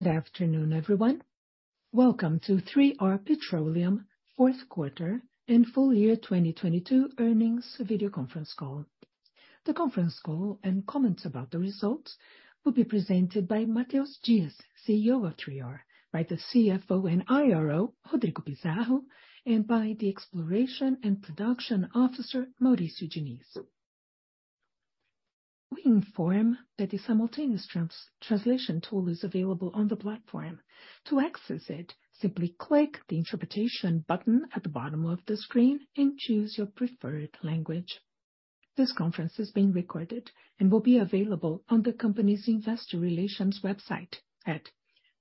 Good afternoon, everyone. Welcome to 3R Petroleum fourth quarter and full-year 2022 earnings video conference call. The conference call and comments about the results will be presented by Matheus Dias, CEO of 3R, by the CFO and IRO, Rodrigo Pizarro, and by the Exploration and Production Officer, Maurício Diniz. We inform that the simultaneous trans-translation tool is available on the platform. To access it, simply click the Interpretation button at the bottom of the screen and choose your preferred language. This conference is being recorded and will be available on the company's investor relations website at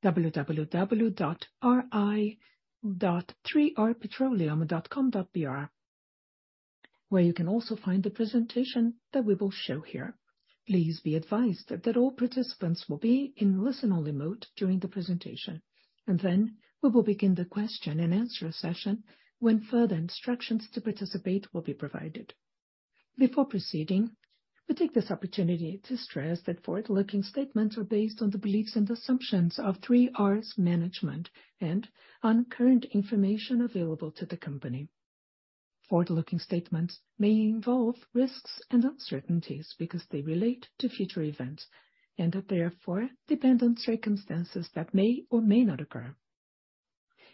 www.ri.3rpetroleum.com.br, where you can also find the presentation that we will show here. Please be advised that all participants will be in listen-only mode during the presentation, then we will begin the question and answer session when further instructions to participate will be provided. Before proceeding, we take this opportunity to stress that forward-looking statements are based on the beliefs and assumptions of 3R management and on current information available to the company. Forward-looking statements may involve risks and uncertainties because they relate to future events and are therefore dependent circumstances that may or may not occur.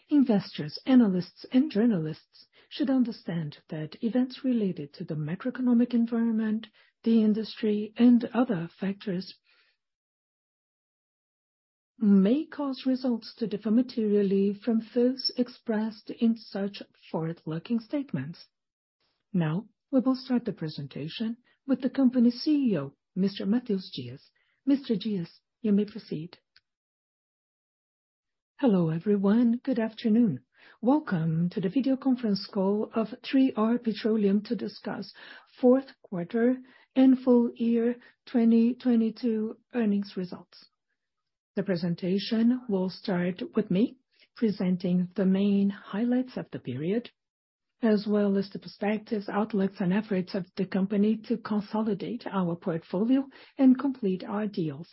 Investors, analysts, and journalists should understand that events related to the macroeconomic environment, the industry, and other factors may cause results to differ materially from those expressed in such forward-looking statements. Now, we will start the presentation with the company CEO, Mr. Matheus Dias. Mr. Dias, you may proceed. Hello, everyone. Good afternoon. Welcome to the video conference call of 3R Energia to discuss fourth quarter and full-year 2022 earnings results. The presentation will start with me presenting the main highlights of the period, as well as the perspectives, outlets, and efforts of the company to consolidate our portfolio and complete our deals.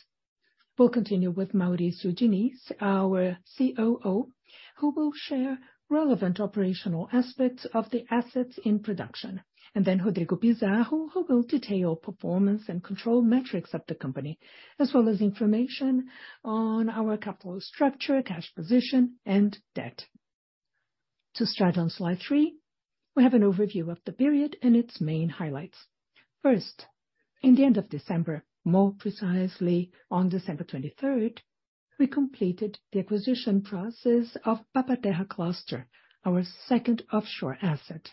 We'll continue with Maurício Diniz, our COO, who will share relevant operational aspects of the assets in production. Rodrigo Pizarro, who will detail performance and control metrics of the company, as well as information on our capital structure, cash position, and debt. To start on slide three, we have an overview of the period and its main highlights. First, in the end of December, more precisely on December 23rd, we completed the acquisition process of Papa-Terra Cluster, our second offshore asset.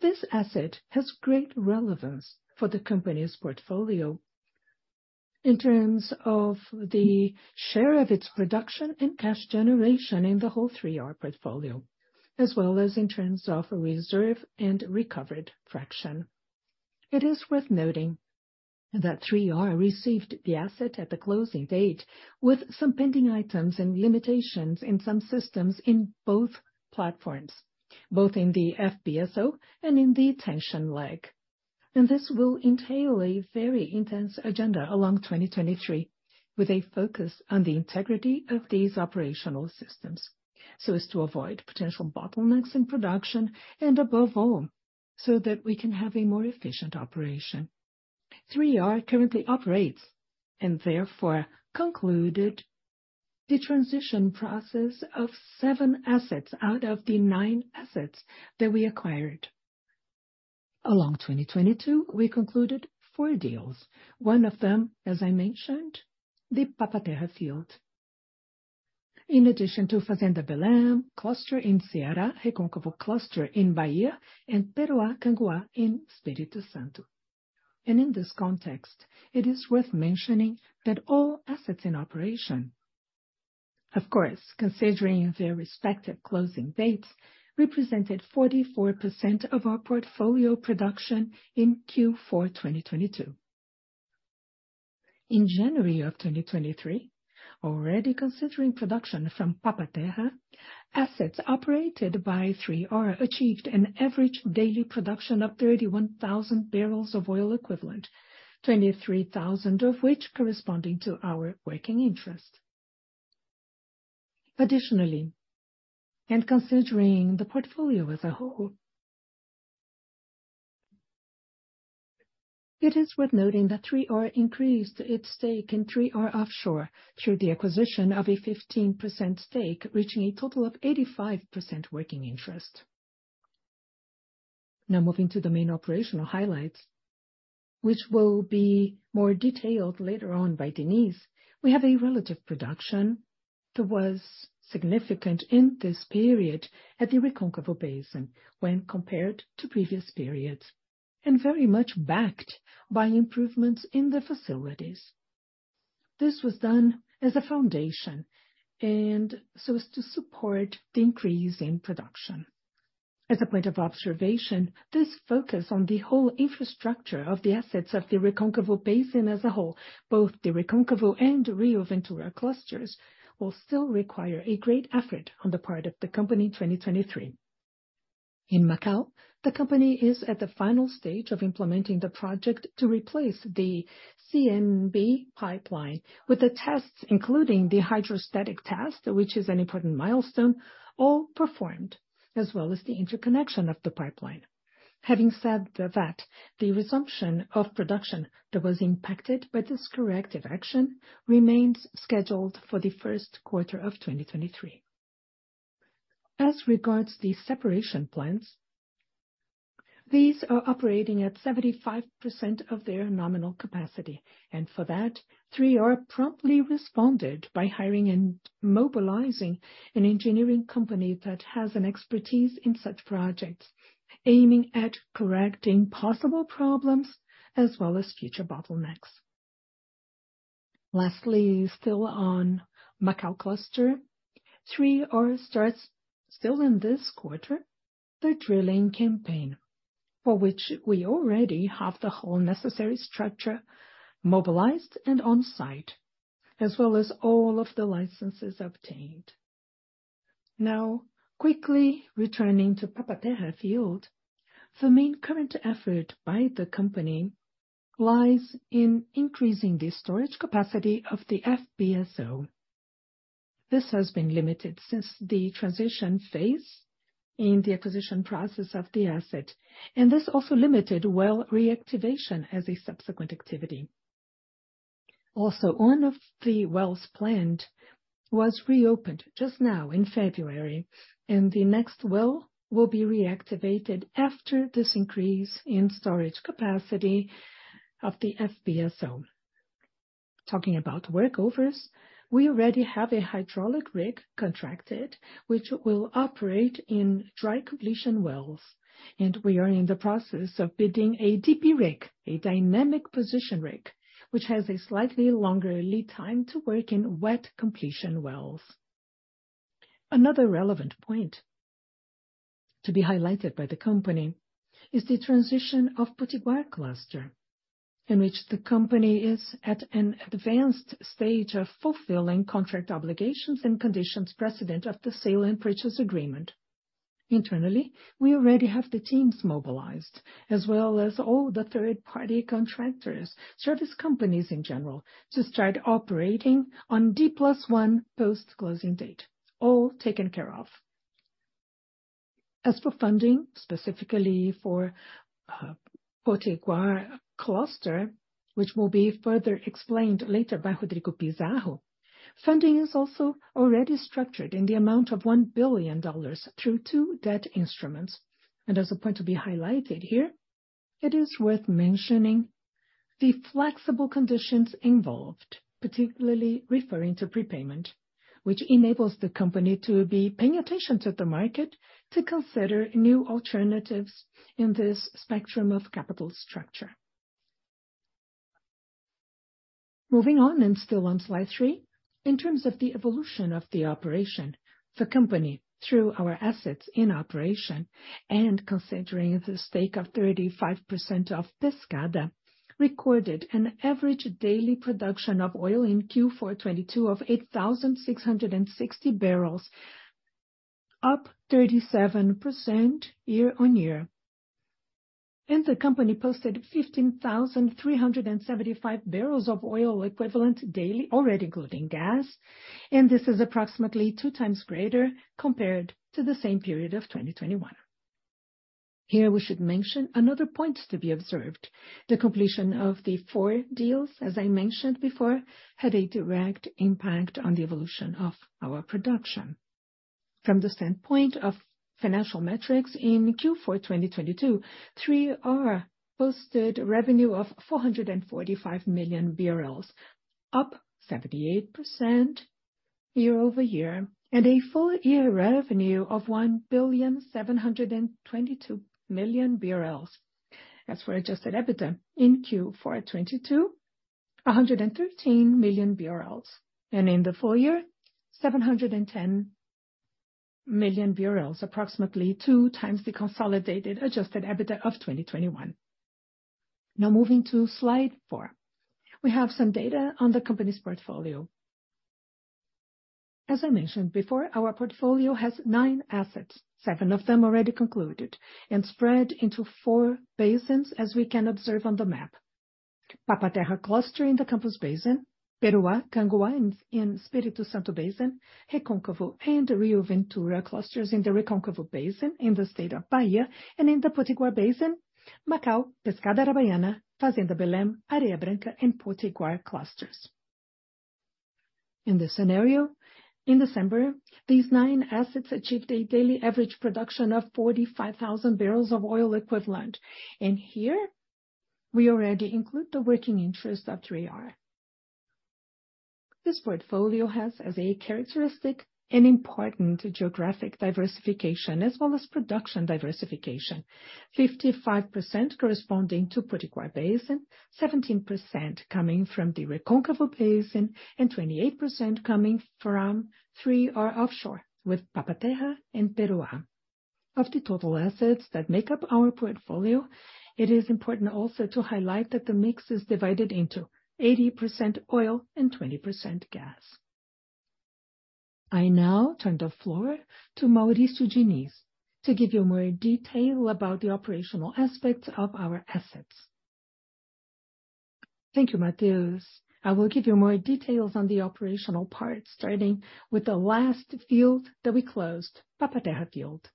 This asset has great relevance for the company's portfolio in terms of the share of its production and cash generation in the whole 3R portfolio, as well as in terms of reserve and recovered fraction. It is worth noting that 3R received the asset at the closing date with some pending items and limitations in some systems in both platforms, both in the FPSO and in the tension leg. This will entail a very intense agenda along 2023, with a focus on the integrity of these operational systems, so as to avoid potential bottlenecks in production, Above all, so that we can have a more efficient operation. 3R currently operates, Therefore concluded the transition process of 7 assets out of the 9 assets that we acquired. Along 2022, we concluded 4 deals. One of them, as I mentioned, the Papa-Terra field. In addition to Fazenda Belém Cluster in Ceará, Recôncavo Cluster in Bahia, and Peroá Cangoá in Espírito Santo. In this context, it is worth mentioning that all assets in operation, of course, considering their respective closing dates, represented 44% of our portfolio production in Q4 2022. In January of 2023, already considering production from Papa-Terra, assets operated by 3R achieved an average daily production of 31,000 barrels of oil equivalent, 23,000 of which corresponding to our working interest. Additionally, and considering the portfolio as a whole, it is worth noting that 3R increased its stake in 3R Offshore through the acquisition of a 15% stake, reaching a total of 85% working interest. Now moving to the main operational highlights, which will be more detailed later on by Maurício Diniz, we have a relative production that was significant in this period at the Recôncavo Basin when compared to previous periods, and very much backed by improvements in the facilities. This was done as a foundation to support the increase in production. As a point of observation, this focus on the whole infrastructure of the assets of the Recôncavo Basin as a whole, both the Recôncavo and Rio Ventura clusters, will still require a great effort on the part of the company in 2023. In Macau, the company is at the final stage of implementing the project to replace the CMB pipeline with the tests, including the hydrostatic test, which is an important milestone all performed, as well as the interconnection of the pipeline. Having said that, the resumption of production that was impacted by this corrective action remains scheduled for the first quarter of 2023. As regards the separation plans, these are operating at 75% of their nominal capacity. For that, 3R promptly responded by hiring and mobilizing an engineering company that has an expertise in such projects, aiming at correcting possible problems as well as future bottlenecks. Lastly, still on Macau cluster, 3R starts still in this quarter, the drilling campaign, for which we already have the whole necessary structure mobilized and on site, as well as all of the licenses obtained. Quickly returning to Papa-Terra field, the main current effort by the company lies in increasing the storage capacity of the FPSO. This has been limited since the transition phase in the acquisition process of the asset, and this also limited well reactivation as a subsequent activity. Also, one of the wells planned was reopened just now in February, and the next well will be reactivated after this increase in storage capacity of the FPSO. Talking about workovers, we already have a hydraulic rig contracted, which will operate in dry completion wells, and we are in the process of bidding a DP rig, a dynamic position rig, which has a slightly longer lead time to work in wet completion wells. Another relevant point to be highlighted by the company is the transition of Potiguar cluster, in which the company is at an advanced stage of fulfilling contract obligations and conditions precedent of the sale and purchase agreement. Internally, we already have the teams mobilized, as well as all the third-party contractors, service companies in general, to start operating on D plus one post-closing date, all taken care of. As for funding, specifically for Potiguar cluster, which will be further explained later by Rodrigo Pizarro, funding is also already structured in the amount of $1 billion through two debt instruments. As a point to be highlighted here, it is worth mentioning the flexible conditions involved, particularly referring to prepayment, which enables the company to be paying attention to the market to consider new alternatives in this spectrum of capital structure. Moving on, still on slide three, in terms of the evolution of the operation, the company, through our assets in operation and considering the stake of 35% of Pescada, recorded an average daily production of oil in Q4 2022 of 8,660 barrels, up 37% year-on-year. The company posted 15,375 barrels of oil equivalent daily, already including gas, and this is approximately 2x greater compared to the same period of 2021. Here we should mention another point to be observed. The completion of the four deals, as I mentioned before, had a direct impact on the evolution of our production. From the standpoint of financial metrics in Q4 2022, 3R posted revenue of 445 million barrels, up 78% year-over-year, and a full-year revenue of 1.722 billion barrels. As for adjusted EBITDA in Q4 2022, 113 million barrels. In the full-year, 710 million barrels, approximately 2x the consolidated adjusted EBITDA of 2021. Moving to slide four. We have some data on the company's portfolio. As I mentioned before, our portfolio has nine assets, seven of them already concluded and spread into four basins as we can observe on the map. Papa-Terra cluster in the Campos Basin, Peroá, Cangoá in Espírito Santo Basin, Recôncavo and Rio Ventura clusters in the Recôncavo Basin in the state of Bahia. In the Potiguar Basin, Macau, Pescada Arabaiana, Fazenda Belém, Areia Branca and Potiguar clusters. In this scenario, in December, these 9 assets achieved a daily average production of 45,000 barrels of oil equivalent. Here we already include the working interest of 3R. This portfolio has as a characteristic an important geographic diversification as well as production diversification. 55% corresponding to Potiguar Basin, 17% coming from the Recôncavo Basin, and 28% coming from 3R Offshore with Papa-Terra and Peroá. Of the total assets that make up our portfolio, it is important also to highlight that the mix is divided into 80% oil and 20% gas. I now turn the floor to Maurício Diniz to give you more detail about the operational aspects of our assets. Thank you, Matheus. I will give you more details on the operational part, starting with the last field that we closed, Papa-Terra field.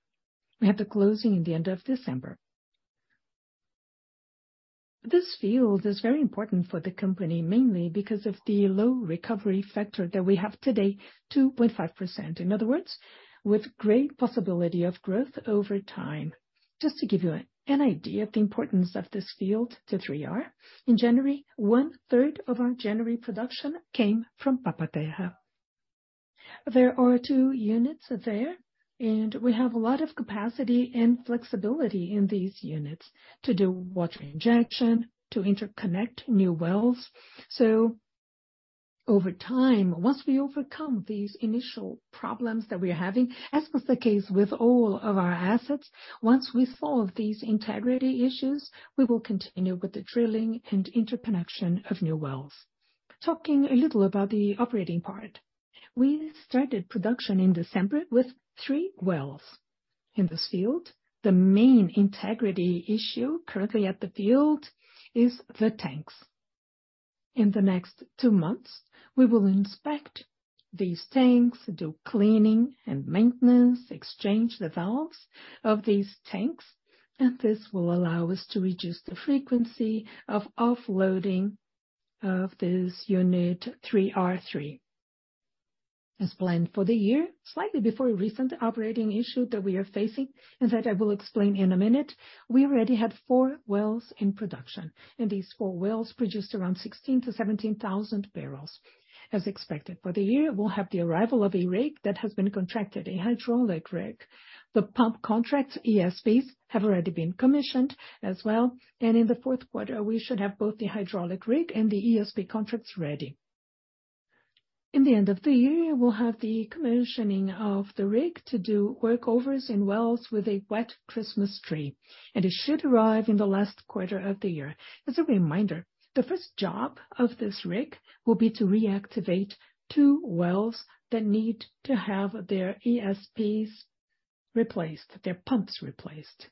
We had the closing in the end of December. This field is very important for the company, mainly because of the low recovery factor that we have today, 2.5%. In other words, with great possibility of growth over time. Just to give you an idea of the importance of this field to 3R. In January, 1/3 of our January production came from Papa-Terra. There are two units there, and we have a lot of capacity and flexibility in these units to do water injection, to interconnect new wells. Over time, once we overcome these initial problems that we're having, as was the case with all of our assets, once we solve these integrity issues, we will continue with the drilling and interconnection of new wells. Talking a little about the operating part. We started production in December with three wells in this field. The main integrity issue currently at the field is the tanks. In the next two months, we will inspect these tanks, do cleaning and maintenance, exchange the valves of these tanks, and this will allow us to reduce the frequency of offloading of this unit, 3R. As planned for the year, slightly before a recent operating issue that we are facing, and that I will explain in a minute, we already had four wells in production, and these four wells produced around 16,000-17,000 barrels as expected. For the year, we'll have the arrival of a rig that has been contracted, a hydraulic rig. The pump contracts, ESPs, have already been commissioned as well, and in the fourth quarter, we should have both the hydraulic rig and the ESP contracts ready. In the end of the year, we'll have the commissioning of the rig to do workovers in wells with a wet Christmas tree, and it should arrive in the last quarter of the year. As a reminder, the first job of this rig will be to reactivate two wells that need to have their ESPs replaced, their pumps replaced.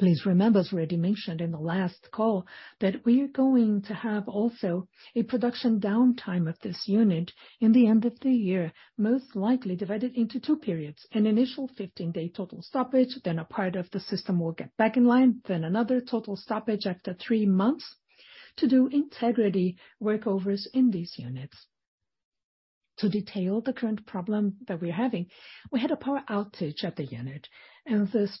Please remember, as already mentioned in the last call, that we are going to have also a production downtime of this unit in the end of the year, most likely divided into two periods, an initial 15-day total stoppage, then a part of the system will get back in line, then another total stoppage after three months to do integrity workovers in these units. To detail the current problem that we're having, we had a power outage at the unit, and this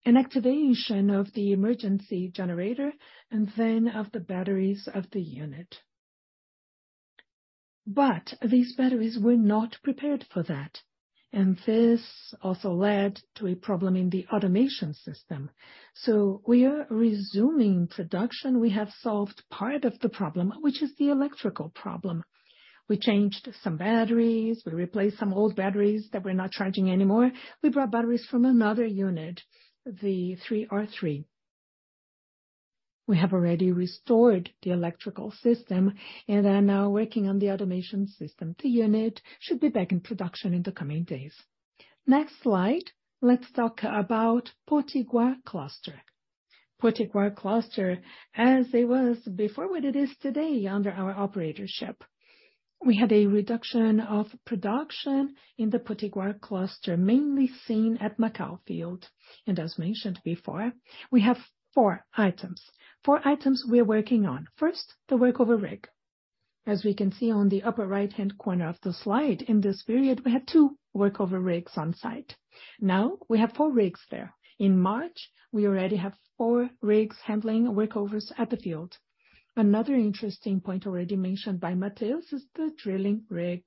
power outage caused an activation of the emergency generator and then of the batteries of the unit. These batteries were not prepared for that, and this also led to a problem in the automation system. We are resuming production. We have solved part of the problem, which is the electrical problem. We changed some batteries, we replaced some old batteries that were not charging anymore. We brought batteries from another unit, the 3R. We have already restored the electrical system and are now working on the automation system. The unit should be back in production in the coming days. Next slide, let's talk about Potiguar cluster. Potiguar cluster as it was before what it is today under our operatorship. We had a reduction of production in the Potiguar cluster, mainly seen at Macau field. As mentioned before, we have four items. Fouritems we are working on. First, the workover rig. As we can see on the upper right-hand corner of the slide, in this period, we had two workover rigs on-site. Now we have four rigs there. In March, we already have four rigs handling workovers at the field. Another interesting point already mentioned by Matheus is the drilling rig.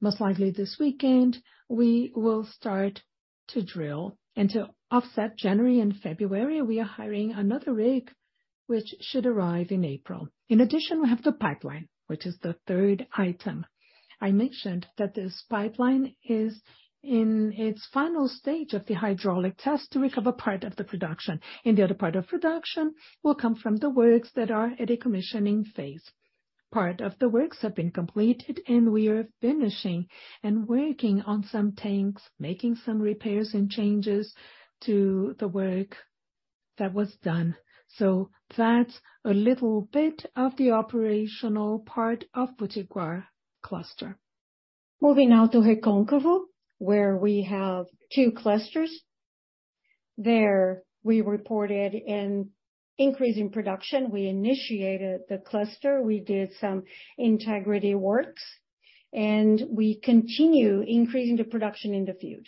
Most likely this weekend we will start to drill. To offset January and February, we are hiring another rig which should arrive in April. In addition, we have the pipeline, which is the third item. I mentioned that this pipeline is in its final stage of the hydrostatic test to recover part of the production. The other part of production will come from the works that are at a commissioning phase. Part of the works have been completed and we are finishing and working on some tanks, making some repairs and changes to the work that was done. That's a little bit of the operational part of Potiguar Cluster. Moving now to Recôncavo, where we have two clusters. There we reported an increase in production. We initiated the cluster. We did some integrity works, and we continue increasing the production in the field.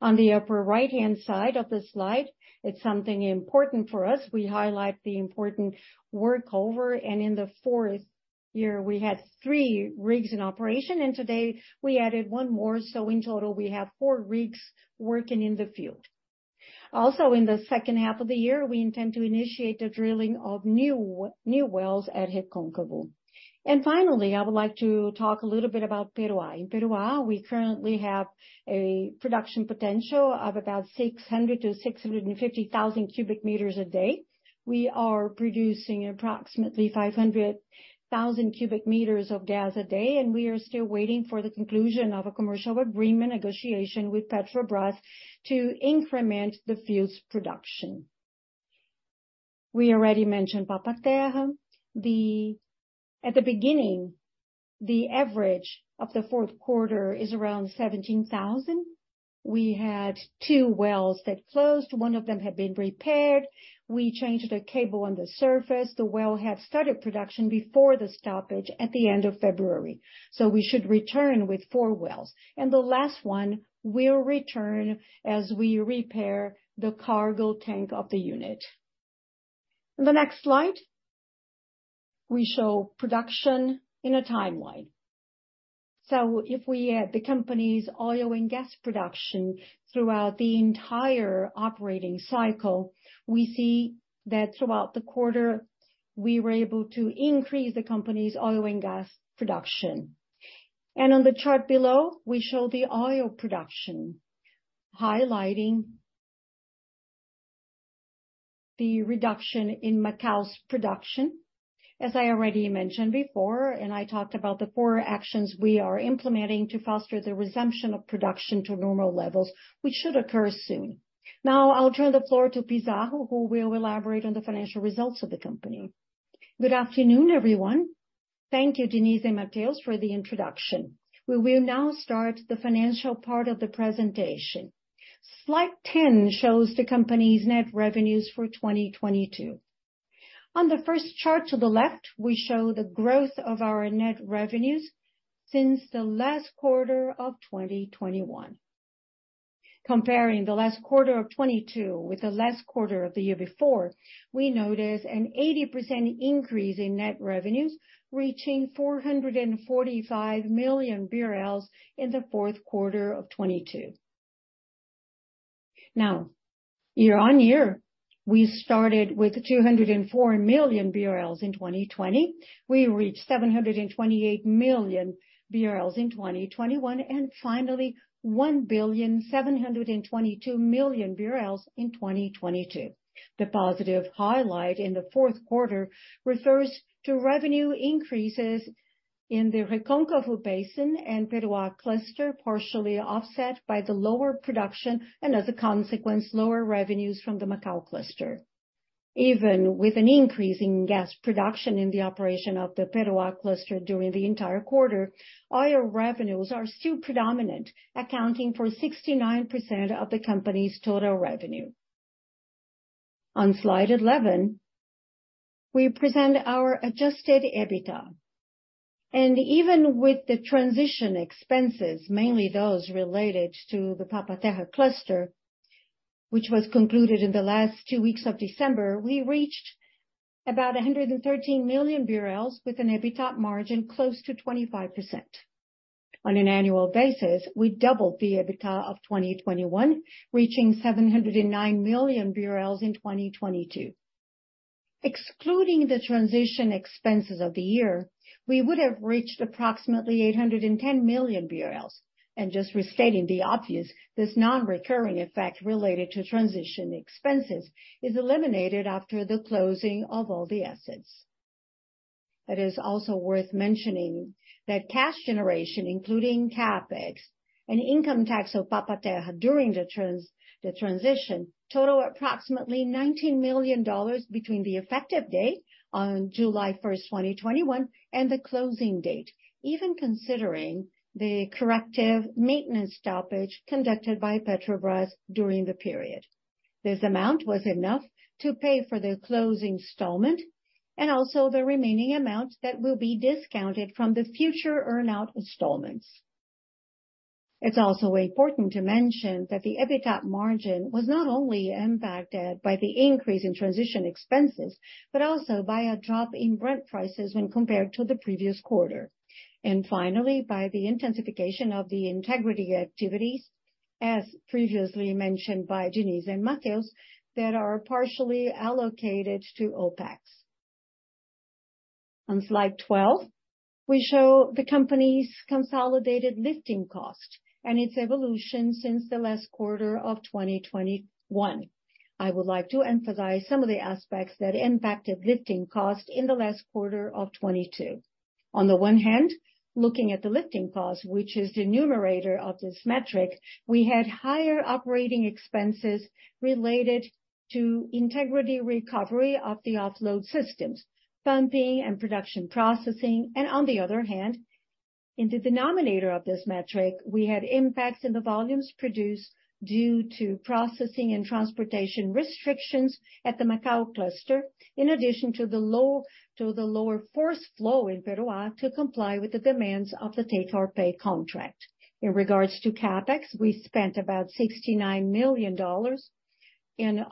On the upper right-hand side of the slide, it's something important for us. We highlight the important workover. In the fourth year, we had three rigs in operation, and today we added one more. In total, we have four rigs working in the field. In the second half of the year, we intend to initiate the drilling of new wells at Recôncavo. Finally, I would like to talk a little bit about Peroá. In Peroá, we currently have a production potential of about 600-650 thousand cubic meters a day. We are producing approximately 500 thousand cubic meters of gas a day, and we are still waiting for the conclusion of a commercial agreement negotiation with Petrobras to increment the field's production. We already mentioned Papa-Terra. At the beginning, the average of the fourth quarter is around 17,000. We had two wells that closed. One of them had been repaired. We changed the cable on the surface. The well had started production before the stoppage at the end of February, we should return with four wells. The last one will return as we repair the cargo tank of the unit. On the next slide, we show production in a timeline. If we the company's oil and gas production throughout the entire operating cycle, we see that throughout the quarter, we were able to increase the company's oil and gas production. On the chart below, we show the oil production, highlighting the reduction in Macau's production, as I already mentioned before, and I talked about the four actions we are implementing to foster the resumption of production to normal levels, which should occur soon. Now, I'll turn the floor to Pizarro who will elaborate on the financial results of the company. Good afternoon, everyone. Thank you, Diniz and Matheus, for the introduction. We will now start the financial part of the presentation. Slide 10 shows the company's net revenues for 2022. On the first chart to the left, we show the growth of our net revenues since the last quarter of 2021. Comparing the last quarter of 2022 with the last quarter of the year before, we notice an 80% increase in net revenues, reaching 445 million BRL in the fourth quarter of 2022. year-over-year, we started with 204 million BRL in 2020. We reached 728 million BRL in 2021, and finally, 1,722 million BRL in 2022. The positive highlight in the fourth quarter refers to revenue increases in the Recôncavo Basin and Peroá cluster, partially offset by the lower production and as a consequence, lower revenues from the Macau cluster. With an increase in gas production in the operation of the Peroá cluster during the entire quarter, oil revenues are still predominant, accounting for 69% of the company's total revenue. On slide 11, we present our adjusted EBITDA. Even with the transition expenses, mainly those related to the Papa-Terra, which was concluded in the last two weeks of December, we reached about 113 million BRL with an EBITDA margin close to 25%. On an annual basis, we doubled the EBITDA of 2021, reaching 709 million BRL in 2022. Excluding the transition expenses of the year, we would have reached approximately 810 million BRL. Just restating the obvious, this non-recurring effect related to transition expenses is eliminated after the closing of all the assets. It is also worth mentioning that cash generation, including CapEx and income tax of Papa-Terra during the transition, total approximately $19 million between the effective date on July 1st, 2021, and the closing date, even considering the corrective maintenance stoppage conducted by Petrobras during the period. This amount was enough to pay for the closing installment and also the remaining amount that will be discounted from the future earn-out installments. It's also important to mention that the EBITDA margin was not only impacted by the increase in transition expenses, but also by a drop in Brent prices when compared to the previous quarter. Finally, by the intensification of the integrity activities, as previously mentioned by Diniz and Matheus, that are partially allocated to OpEx. On slide 12, we show the company's consolidated lifting cost and its evolution since the last quarter of 2021. I would like to emphasize some of the aspects that impacted lifting cost in the last quarter of 2022. On the one hand, looking at the lifting cost, which is the numerator of this metric, we had higher operating expenses related to integrity recovery of the offload systems, pumping and production processing. On the other hand, in the denominator of this metric, we had impacts in the volumes produced due to processing and transportation restrictions at the Macau cluster, in addition to the lower force flow in Peroá to comply with the demands of the take-or-pay contract. In regards to CapEx, we spent about $69 million in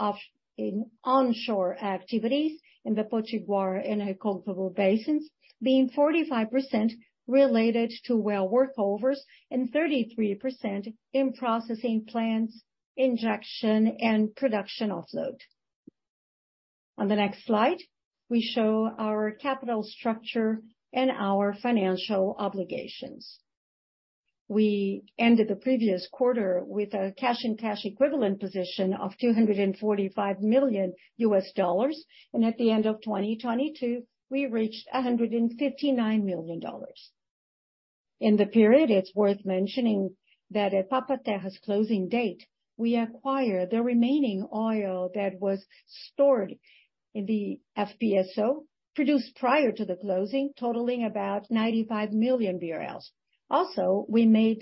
onshore activities in the Potiguar and Recôncavo Basins, being 45% related to well workovers and 33% in processing plants, injection, and production offload. We show our capital structure and our financial obligations. We ended the previous quarter with a cash and cash equivalent position of $245 million, at the end of 2022, we reached $159 million. In the period, it's worth mentioning that at Papa-Terra's closing date, we acquired the remaining oil that was stored in the FPSO, produced prior to the closing, totaling about 95 million barrels. We made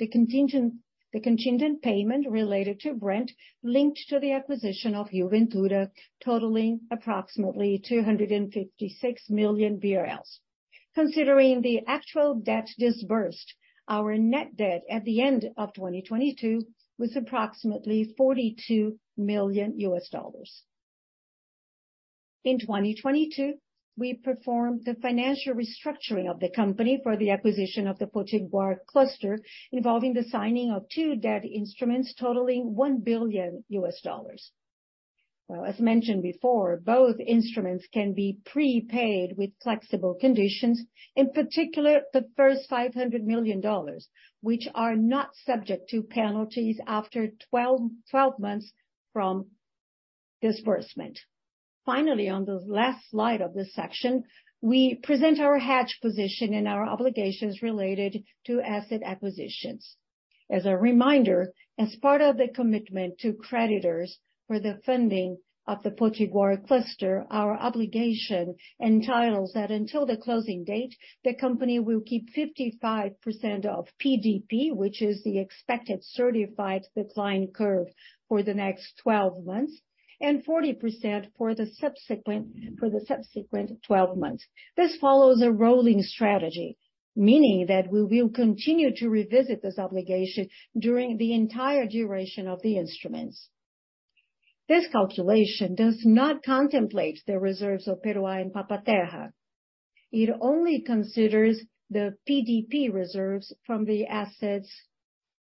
the contingent payment related to Brent linked to the acquisition of Rio Ventura, totaling approximately 256 million barrels. Considering the actual debt disbursed, our net debt at the end of 2022 was approximately $42 million. In 2022, we performed the financial restructuring of the company for the acquisition of the Potiguar cluster, involving the signing of two debt instruments totaling $1 billion. As mentioned before, both instruments can be prepaid with flexible conditions, in particular, the first $500 million, which are not subject to penalties after 12 months from disbursement. Finally, on the last slide of this section, we present our hedge position and our obligations related to asset acquisitions. As a reminder, as part of the commitment to creditors for the funding of the Potiguar cluster, our obligation entitles that until the closing date, the company will keep 55% of PDP, which is the expected certified decline curve for the next 12 months, and 40% for the subsequent 12 months. This follows a rolling strategy, meaning that we will continue to revisit this obligation during the entire duration of the instruments. This calculation does not contemplate the reserves of Peroá and Papa-Terra. It only considers the PDP reserves from the assets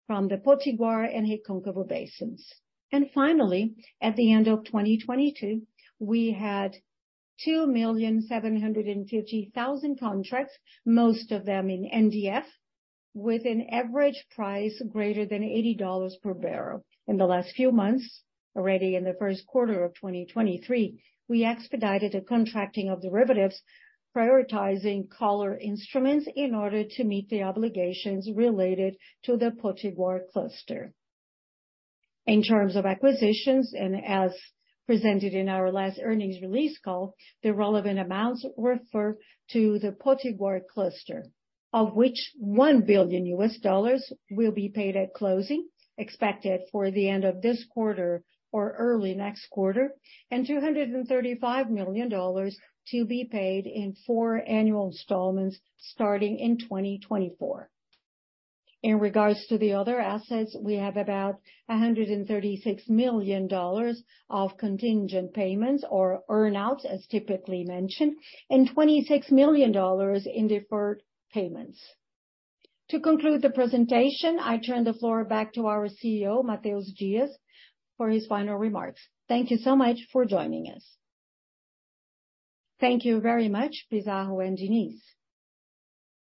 from the Potiguar and Recôncavo basins. Finally, at the end of 2022, we had 2,750,000 contracts, most of them in NDF, with an average price greater than $80 per barrel. In the last few months, already in the first quarter of 2023, we expedited the contracting of derivatives, prioritizing collar instruments in order to meet the obligations related to the Potiguar cluster. In terms of acquisitions, as presented in our last earnings release call, the relevant amounts refer to the Potiguar cluster, of which $1 billion will be paid at closing, expected for the end of this quarter or early next quarter, and $235 million to be paid in four annual installments starting in 2024. In regards to the other assets, we have about $136 million of contingent payments or earn-outs, as typically mentioned, and $26 million in deferred payments. To conclude the presentation, I turn the floor back to our CEO, Matheus Dias, for his final remarks. Thank you so much for joining us. Thank you very much, Pizarro and Diniz.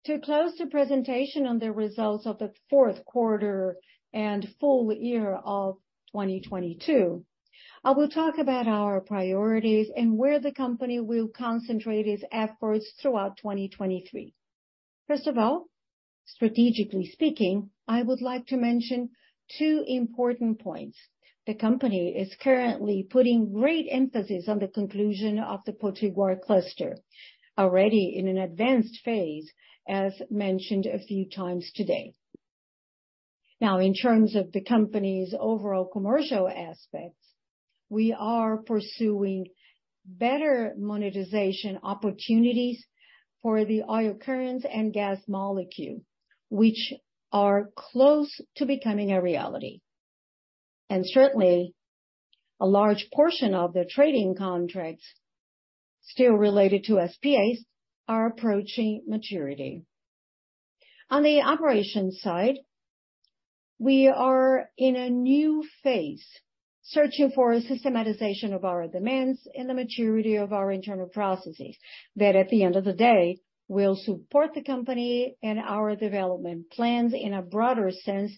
To close the presentation on the results of the fourth quarter and full-year of 2022, I will talk about our priorities and where the company will concentrate its efforts throughout 2023. First of all, strategically speaking, I would like to mention two important points. The company is currently putting great emphasis on the conclusion of the Potiguar cluster, already in an advanced phase, as mentioned a few times today. Now, in terms of the company's overall commercial aspects, we are pursuing better monetization opportunities for the oil currents and gas molecule, which are close to becoming a reality. Certainly, a large portion of the trading contracts still related to SPAs are approaching maturity. On the operations side, we are in a new phase, searching for a systematization of our demands and the maturity of our internal processes that at the end of the day, will support the company and our development plans in a broader sense,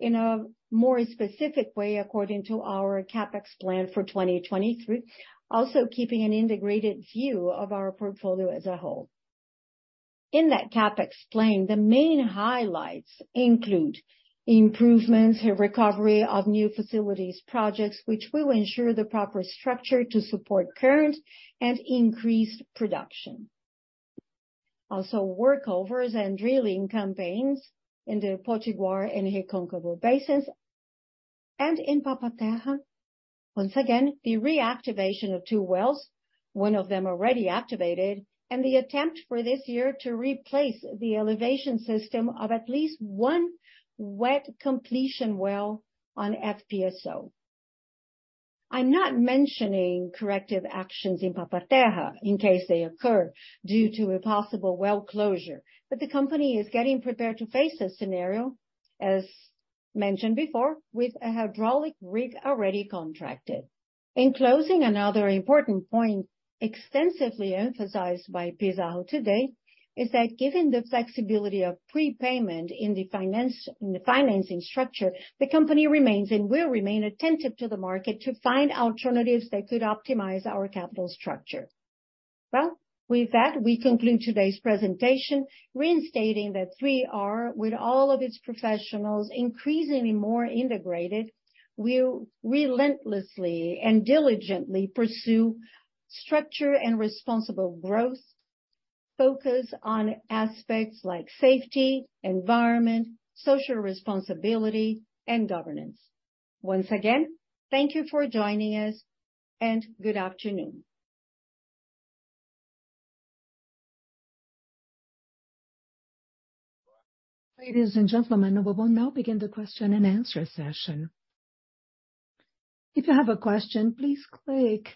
in a more specific way according to our CapEx plan for 2023, also keeping an integrated view of our portfolio as a whole. In that CapEx plan, the main highlights include improvements, recovery of new facilities projects, which will ensure the proper structure to support current and increased production. Workovers and drilling campaigns in the Potiguar and Recôncavo basins and in Papa-Terra. Once again, the reactivation of two wells, one of them already activated, and the attempt for this year to replace the elevation system of at least one wet completion well on FPSO. I'm not mentioning corrective actions in Papa-Terra in case they occur due to a possible well closure, but the company is getting prepared to face this scenario as Mentioned before, with a hydraulic rig already contracted. In closing, another important point extensively emphasized by Pizarro today is that given the flexibility of prepayment in the financing structure, the country remains and will remain attentive to the market to find alternatives that could optimize our capital structure. Well, with that, we conclude today's presentation reinstating that 3R Petroleum, with all of its professionals increasingly more integrated, will relentlessly and diligently pursue structure and responsible growth, focus on aspects like safety, environment, social responsibility, and governance. Once again, thank you for joining us and good afternoon. Ladies and gentlemen, we will now begin the question and answer session. If you have a question, please click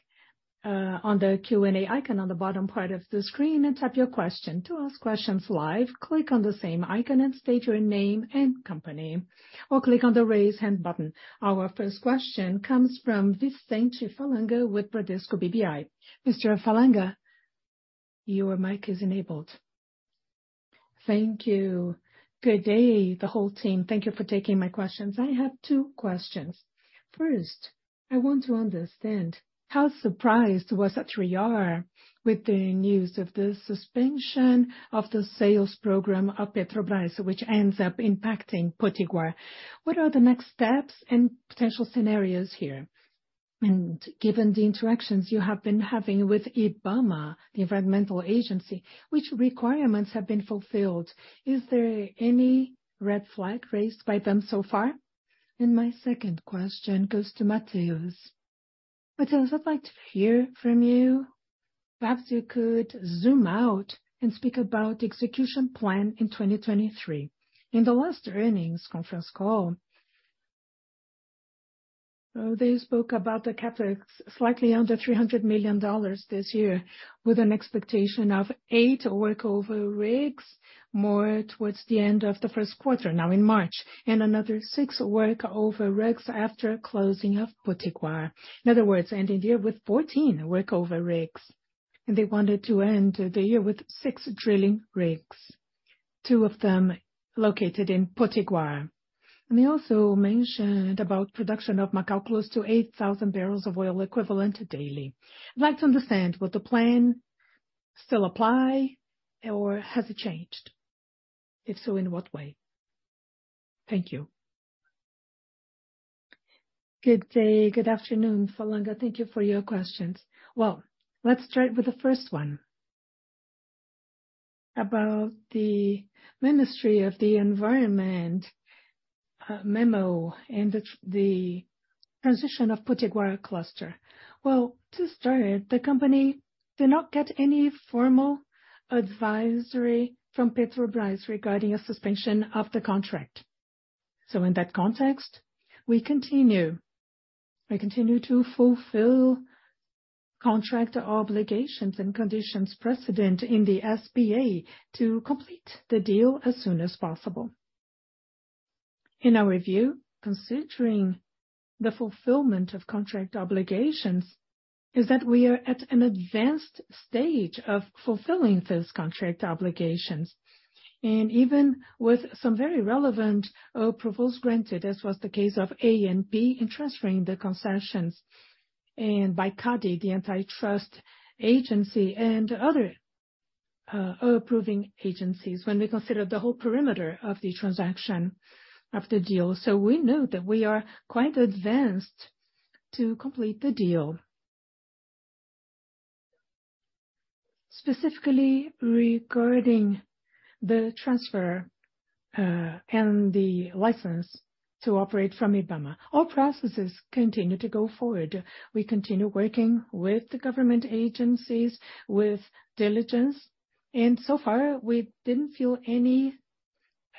on the Q&A icon on the bottom part of the screen and type your question. To ask questions live, click on the same icon and state your name and company, or click on the Raise Hand button. Our first question comes from Vicente Falanga with Bradesco BBI. Mr. Falanga, your mic is enabled. Thank you. Good day, the whole team. Thank you for taking my questions. I have two questions. First, I want to understand how surprised was 3R Petroleum with the news of the suspension of the sales program of Petrobras, which ends up impacting Potiguar. What are the next steps and potential scenarios here? Given the interactions you have been having with IBAMA, the environmental agency, which requirements have been fulfilled? Is there any red flag raised by them so far? My second question goes to Matheus. Matheus, I'd like to hear from you. Perhaps you could zoom out and speak about execution plan in 2023. In the last earnings conference call, they spoke about the CapEx slightly under $300 million this year, with an expectation of eight workover rigs more towards the end of the first quarter, now in March, and another six workover rigs after closing of Potiguar. In other words, ending the year with 14 workover rigs. They wanted to end the year with six drilling rigs, two of them located in Potiguar. They also mentioned about production of Macau close to 8,000 barrels of oil equivalent daily. I'd like to understand, will the plan still apply or has it changed? If so, in what way? Thank you. Good day. Good afternoon, Falanga. Thank you for your questions. Well, let's start with the first one about the Ministry of the Environment memo and the transition of Potiguar cluster. Well, to start, the company did not get any formal advisory from Petrobras regarding a suspension of the contract. In that context, we continue. We continue to fulfill contract obligations and conditions precedent in the SPA to complete the deal as soon as possible. In our view, considering the fulfillment of contract obligations is that we are at an advanced stage of fulfilling these contract obligations. Even with some very relevant approvals granted, as was the case of ANP in transferring the concessions and by CADE, the antitrust agency and other approving agencies when we consider the whole perimeter of the transaction of the deal. We know that we are quite advanced to complete the deal. Specifically regarding the transfer and the license to operate from IBAMA. All processes continue to go forward. We continue working with the government agencies with diligence. So far, we didn't feel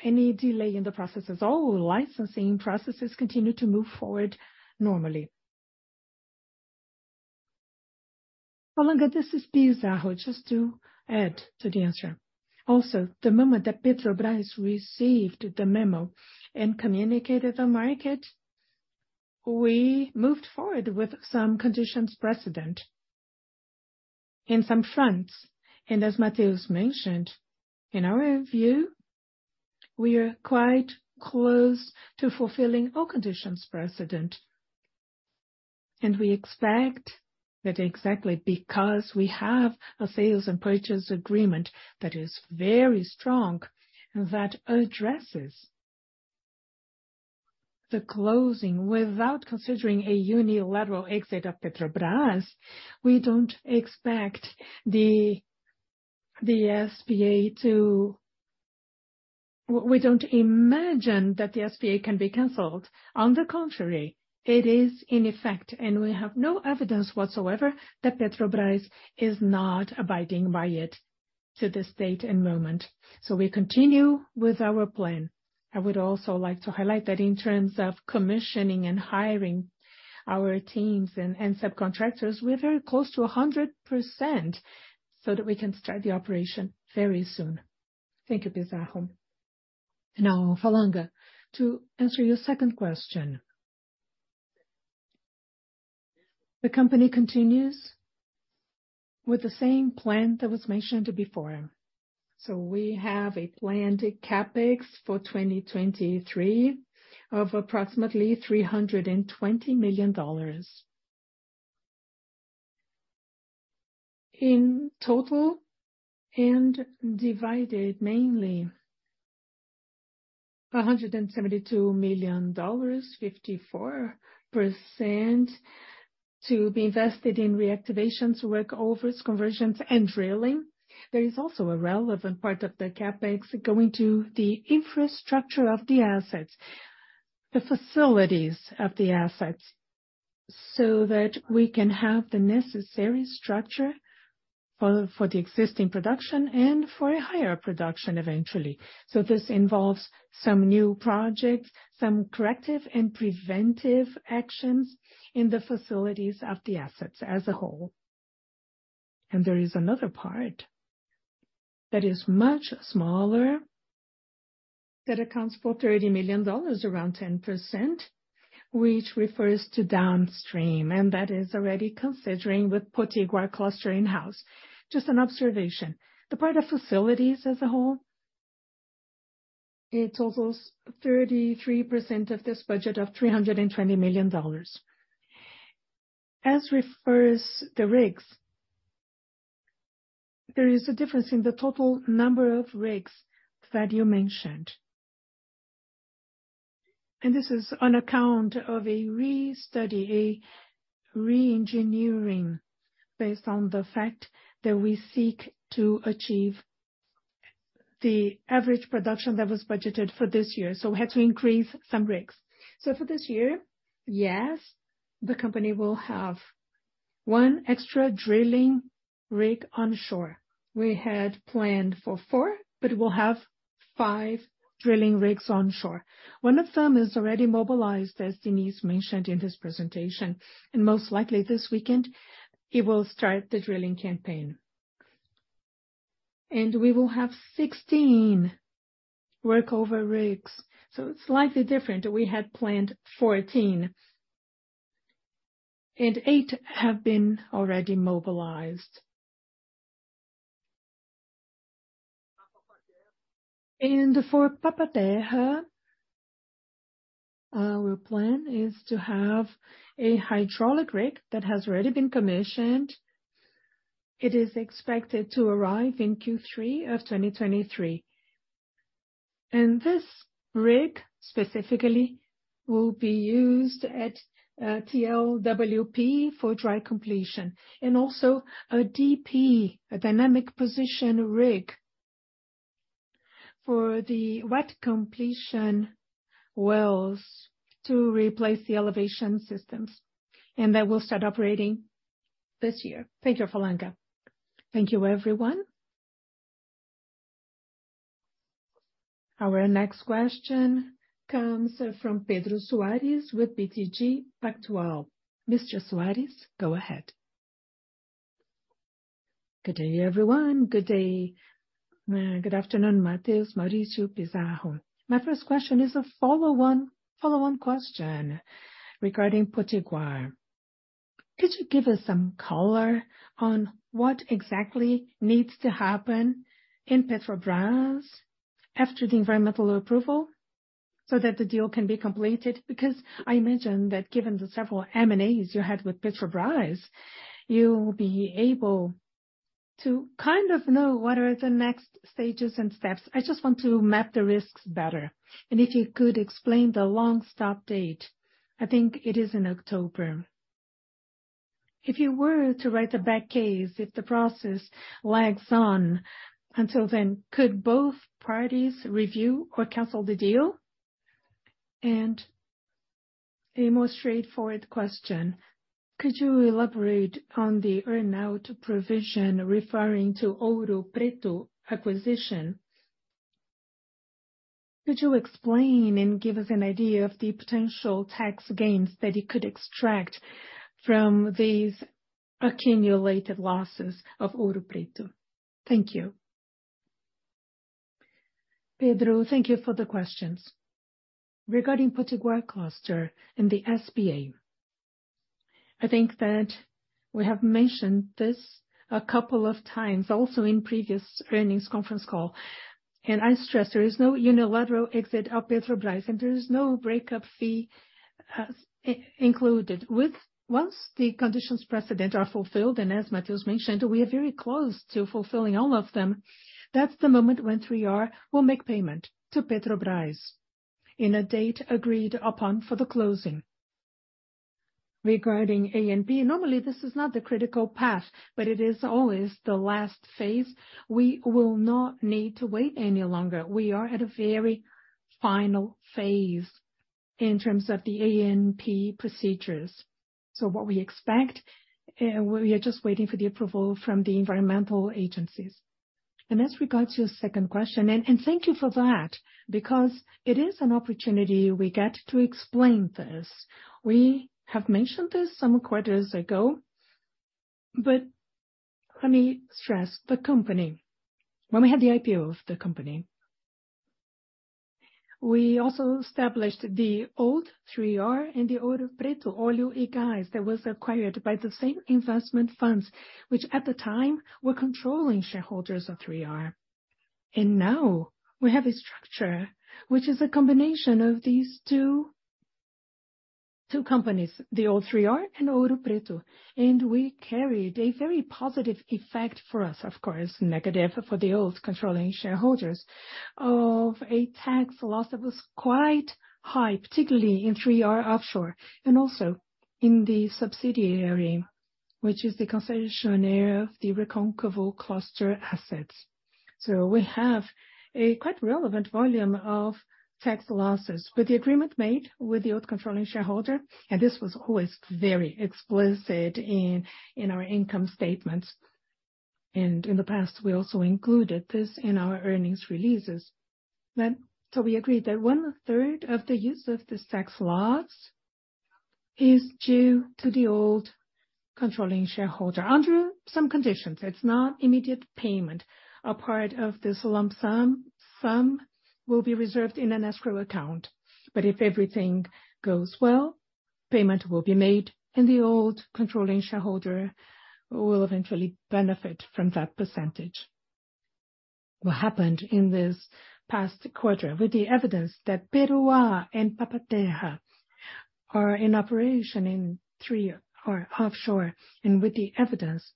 any delay in the processes. All licensing processes continue to move forward normally. Falanga, this is Pizarro. Just to add to the answer. The moment that Petrobras received the memo and communicated the market, we moved forward with some conditions precedent in some fronts. As Matheus mentioned, in our view, we are quite close to fulfilling all conditions precedent. We expect that exactly because we have a sales and purchase agreement that is very strong and that addresses the closing without considering a unilateral exit of Petrobras, we don't imagine that the SPA can be canceled. On the contrary, it is in effect. We have no evidence whatsoever that Petrobras is not abiding by it to this date and moment. We continue with our plan. I would also like to highlight that in terms of commissioning and hiring our teams and subcontractors, we're very close to 100% so that we can start the operation very soon. Thank you, Pizarro. Falanga, to answer your second question. The company continues with the same plan that was mentioned before. We have a planned CapEx for 2023 of approximately $320 million. In total and divided mainly, $172 million, 54% to be invested in reactivations, workovers, conversions and drilling. There is also a relevant part of the CapEx going to the infrastructure of the assets, the facilities of the assets, so that we can have the necessary structure for the existing production and for a higher production eventually. This involves some new projects, some corrective and preventive actions in the facilities of the assets as a whole. There is another part that is much smaller, that accounts for $30 million, around 10%, which refers to downstream, and that is already considering with Potiguar cluster in-house. Just an observation. The part of facilities as a whole, it totals 33% of this budget of $320 million. As refers the rigs, there is a difference in the total number of rigs that you mentioned. This is on account of a restudy, a re-engineering based on the fact that we seek to achieve the average production that was budgeted for this year, so we had to increase some rigs. For this year, yes, the company will have one extra drilling rig onshore. We had planned for four, but we'll have five drilling rigs onshore. One of them is already mobilized, as Diniz mentioned in his presentation. Most likely this weekend, he will start the drilling campaign. We will have 16 workover rigs, so slightly different. We had planned 14, and eight have been already mobilized. For Papa-Terra, our plan is to have a hydraulic rig that has already been commissioned. It is expected to arrive in Q3 of 2023. This rig specifically will be used at TLWP for dry completion, and also a DP, a dynamic position rig for the wet completion wells to replace the elevation systems, and that will start operating this year. Thank you, Falanga. Thank you, everyone. Our next question comes from Pedro Soares with BTG Pactual. Mr. Soares, go ahead. Good day, everyone. Good day. Good afternoon, Matheus, Mauricio, Pizarro. My first question is a follow-one, follow-on question regarding Potiguar. Could you give us some color on what exactly needs to happen in Petrobras after the environmental approval so that the deal can be completed? Because I imagine that given the several M&As you had with Petrobras, you'll be able to kind of know what are the next stages and steps. I just want to map the risks better. If you could explain the long stop date. I think it is in October. If you were to write a bad case, if the process lags on until then, could both parties review or cancel the deal? A more straightforward question, could you elaborate on the earnout provision referring to Ouro Preto acquisition? Could you explain and give us an idea of the potential tax gains that you could extract from these accumulated losses of Ouro Preto? Thank you. Pedro, thank you for the questions. Regarding Potiguar cluster and the SBA, I think that we have mentioned this a couple of times also in previous earnings conference call. I stress there is no unilateral exit of Petrobras, and there is no breakup fee included. Once the conditions precedent are fulfilled, and as Matheus mentioned, we are very close to fulfilling all of them, that's the moment when we'll make payment to Petrobras in a date agreed upon for the closing. Regarding ANP, normally this is not the critical path, but it is always the last phase. We will not need to wait any longer. We are at a very final phase in terms of the ANP procedures. What we expect, we are just waiting for the approval from the environmental agencies. As regards your second question, and thank you for that because it is an opportunity we get to explain this. We have mentioned this some quarters ago, but let me stress the company. When we had the IPO of the company. We also established the old 3R and the Ouro Preto Óleo e Gás that was acquired by the same investment funds, which at the time were controlling shareholders of 3R. Now we have a structure which is a combination of these two companies, the old 3R and Ouro Preto, and we carried a very positive effect for us, of course, negative for the old controlling shareholders, of a tax loss that was quite high, particularly in 3R Offshore and also in the subsidiary, which is the concessionaire of the Recôncavo cluster assets. We have a quite relevant volume of tax losses. With the agreement made with the old controlling shareholder, and this was always very explicit in our income statements, and in the past, we also included this in our earnings releases. We agreed that one-third of the use of these tax loss is due to the old controlling shareholder under some conditions. It's not immediate payment. A part of this lump sum will be reserved in an escrow account. If everything goes well, payment will be made, and the old controlling shareholder will eventually benefit from that percentage. What happened in this past quarter with the evidence that Berru and Papa-Terra are in operation in 3R Offshore, and with the evidence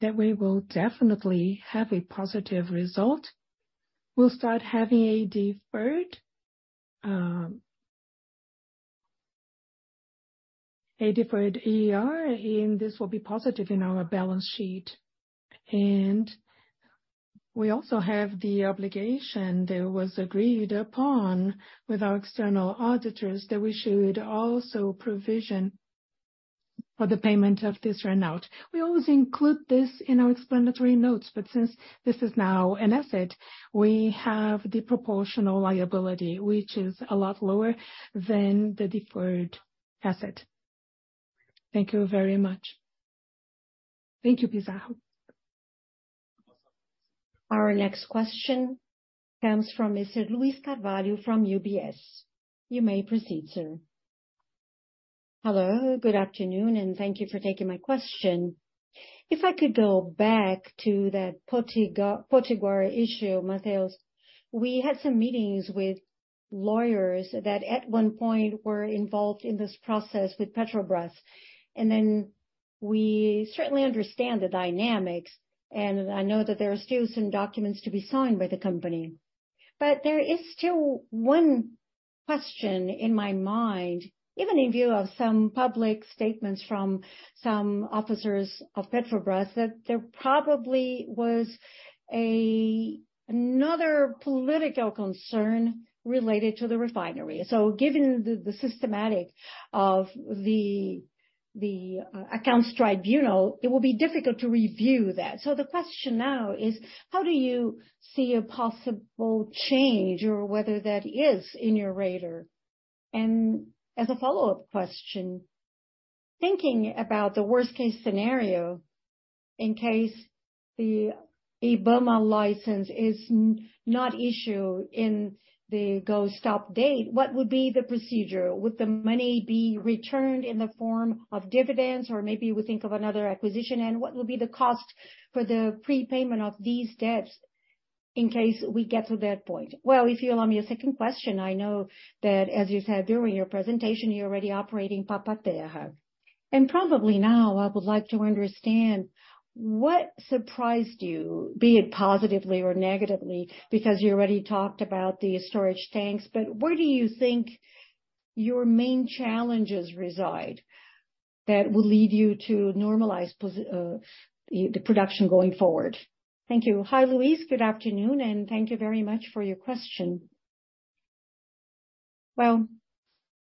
that we will definitely have a positive result. We'll start having a deferred, a deferred earn-out, and this will be positive in our balance sheet. We also have the obligation that was agreed upon with our external auditors that we should also provision for the payment of this earn-out. We always include this in our explanatory notes, but since this is now an asset, we have the proportional liability, which is a lot lower than the deferred asset. Thank you very much. Thank you, Pizarro. Our next question comes from Mr. Luiz Carvalho from UBS. You may proceed, sir. Hello, good afternoon. Thank you for taking my question. If I could go back to that Potiguar issue, Matheus, we had some meetings with lawyers that at one point were involved in this process with Petrobras, and then we certainly understand the dynamics, and I know that there are still some documents to be signed by the company. There is still one question in my mind, even in view of some public statements from some officers of Petrobras, that there probably was another political concern related to the refinery. Given the systematic of the Federal Court of Accounts, it will be difficult to review that. The question now is, how do you see a possible change or whether that is in your radar? As a follow-up question, thinking about the worst-case scenario, in case the IBAMA license is not issued in the go/stop date, what would be the procedure? Would the money be returned in the form of dividends, or maybe we think of another acquisition? What will be the cost for the prepayment of these debts in case we get to that point? Well, if you allow me a second question, I know that as you said during your presentation, you're already operating Papa-Terra. Probably now I would like to understand what surprised you, be it positively or negatively, because you already talked about the storage tanks, but where do you think your main challenges reside that will lead you to normalize the production going forward? Thank you. Hi, Luiz. Good afternoon, and thank you very much for your question. Well,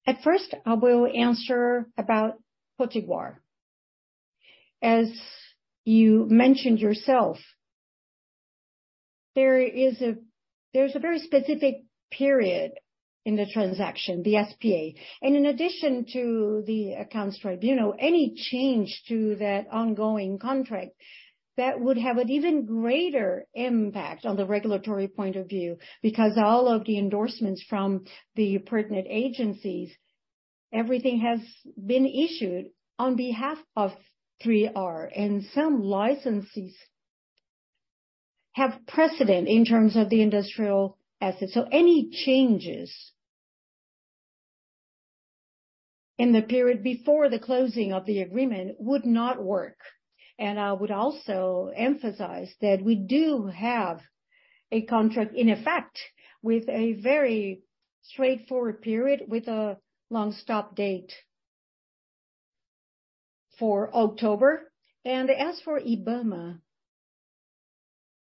at first, I will answer about Potiguar. As you mentioned yourself, there's a very specific period in the transaction, the SPA. In addition to the Federal Court of Accounts, any change to that ongoing contract, that would have an even greater impact on the regulatory point of view, because all of the endorsements from the pertinent agencies, everything has been issued on behalf of 3R, and some licenses have precedent in terms of the industrial assets. So any changes in the period before the closing of the agreement would not work. I would also emphasize that we do have a contract in effect with a very straightforward period, with a long stop date for October. As for Ibama,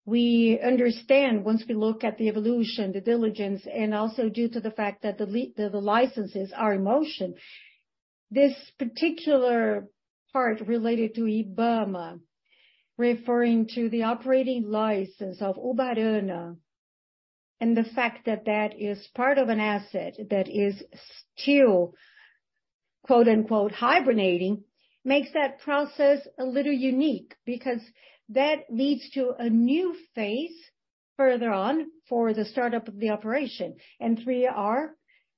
we understand once we look at the evolution, the diligence, and also due to the fact that the licenses are in motion, this particular part related to Ibama, referring to the operating license of Ubarana and the fact that is part of an asset that is still Quote, unquote, hibernating, makes that process a little unique because that leads to a new phase further on for the startup of the operation. 3R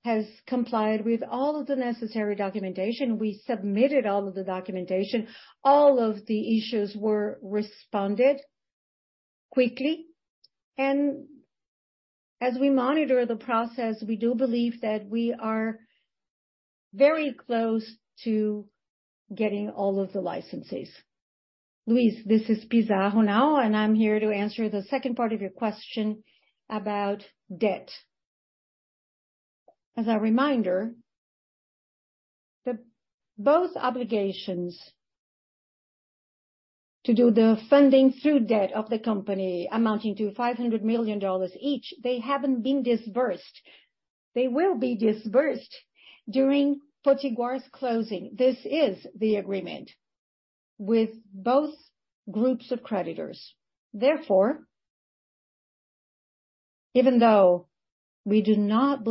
has complied with all of the necessary documentation. We submitted all of the documentation. All of the issues were responded quickly. As we monitor the process, we do believe that we are very close to getting all of the licenses. Luiz, this is Pizarro now, and I'm here to answer the second part of your question about debt. As a reminder, both obligations to do the funding through debt of the company amounting to $500 million each, they haven't been disbursed. They will be disbursed during Potiguar's closing. This is the agreement with both groups of creditors. Therefore, even though we do not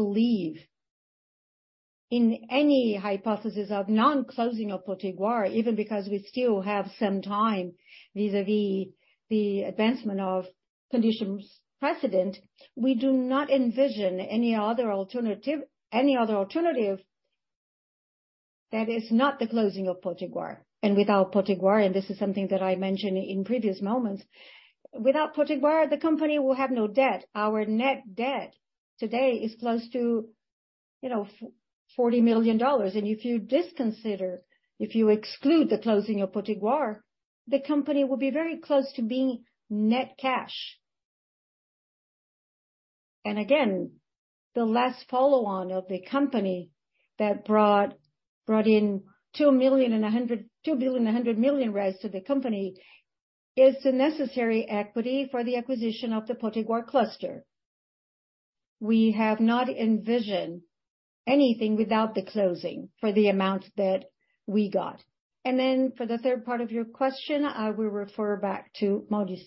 believe in any hypothesis of non-closing of Potiguar, even because we still have some time vis-à-vis the advancement of conditions precedent, we do not envision any other alternative that is not the closing of Potiguar. Without Potiguar, and this is something that I mentioned in previous moments, the company will have no debt. Our net debt today is close to, you know, $40 million. If you disconsider, if you exclude the closing of Potiguar, the company will be very close to being net cash. Again, the last follow-on of the company that brought in 2 billion, 100 million to the company is the necessary equity for the acquisition of the Potiguar cluster. We have not envisioned anything without the closing for the amount that we got. For the third part of your question, I will refer back to Maurício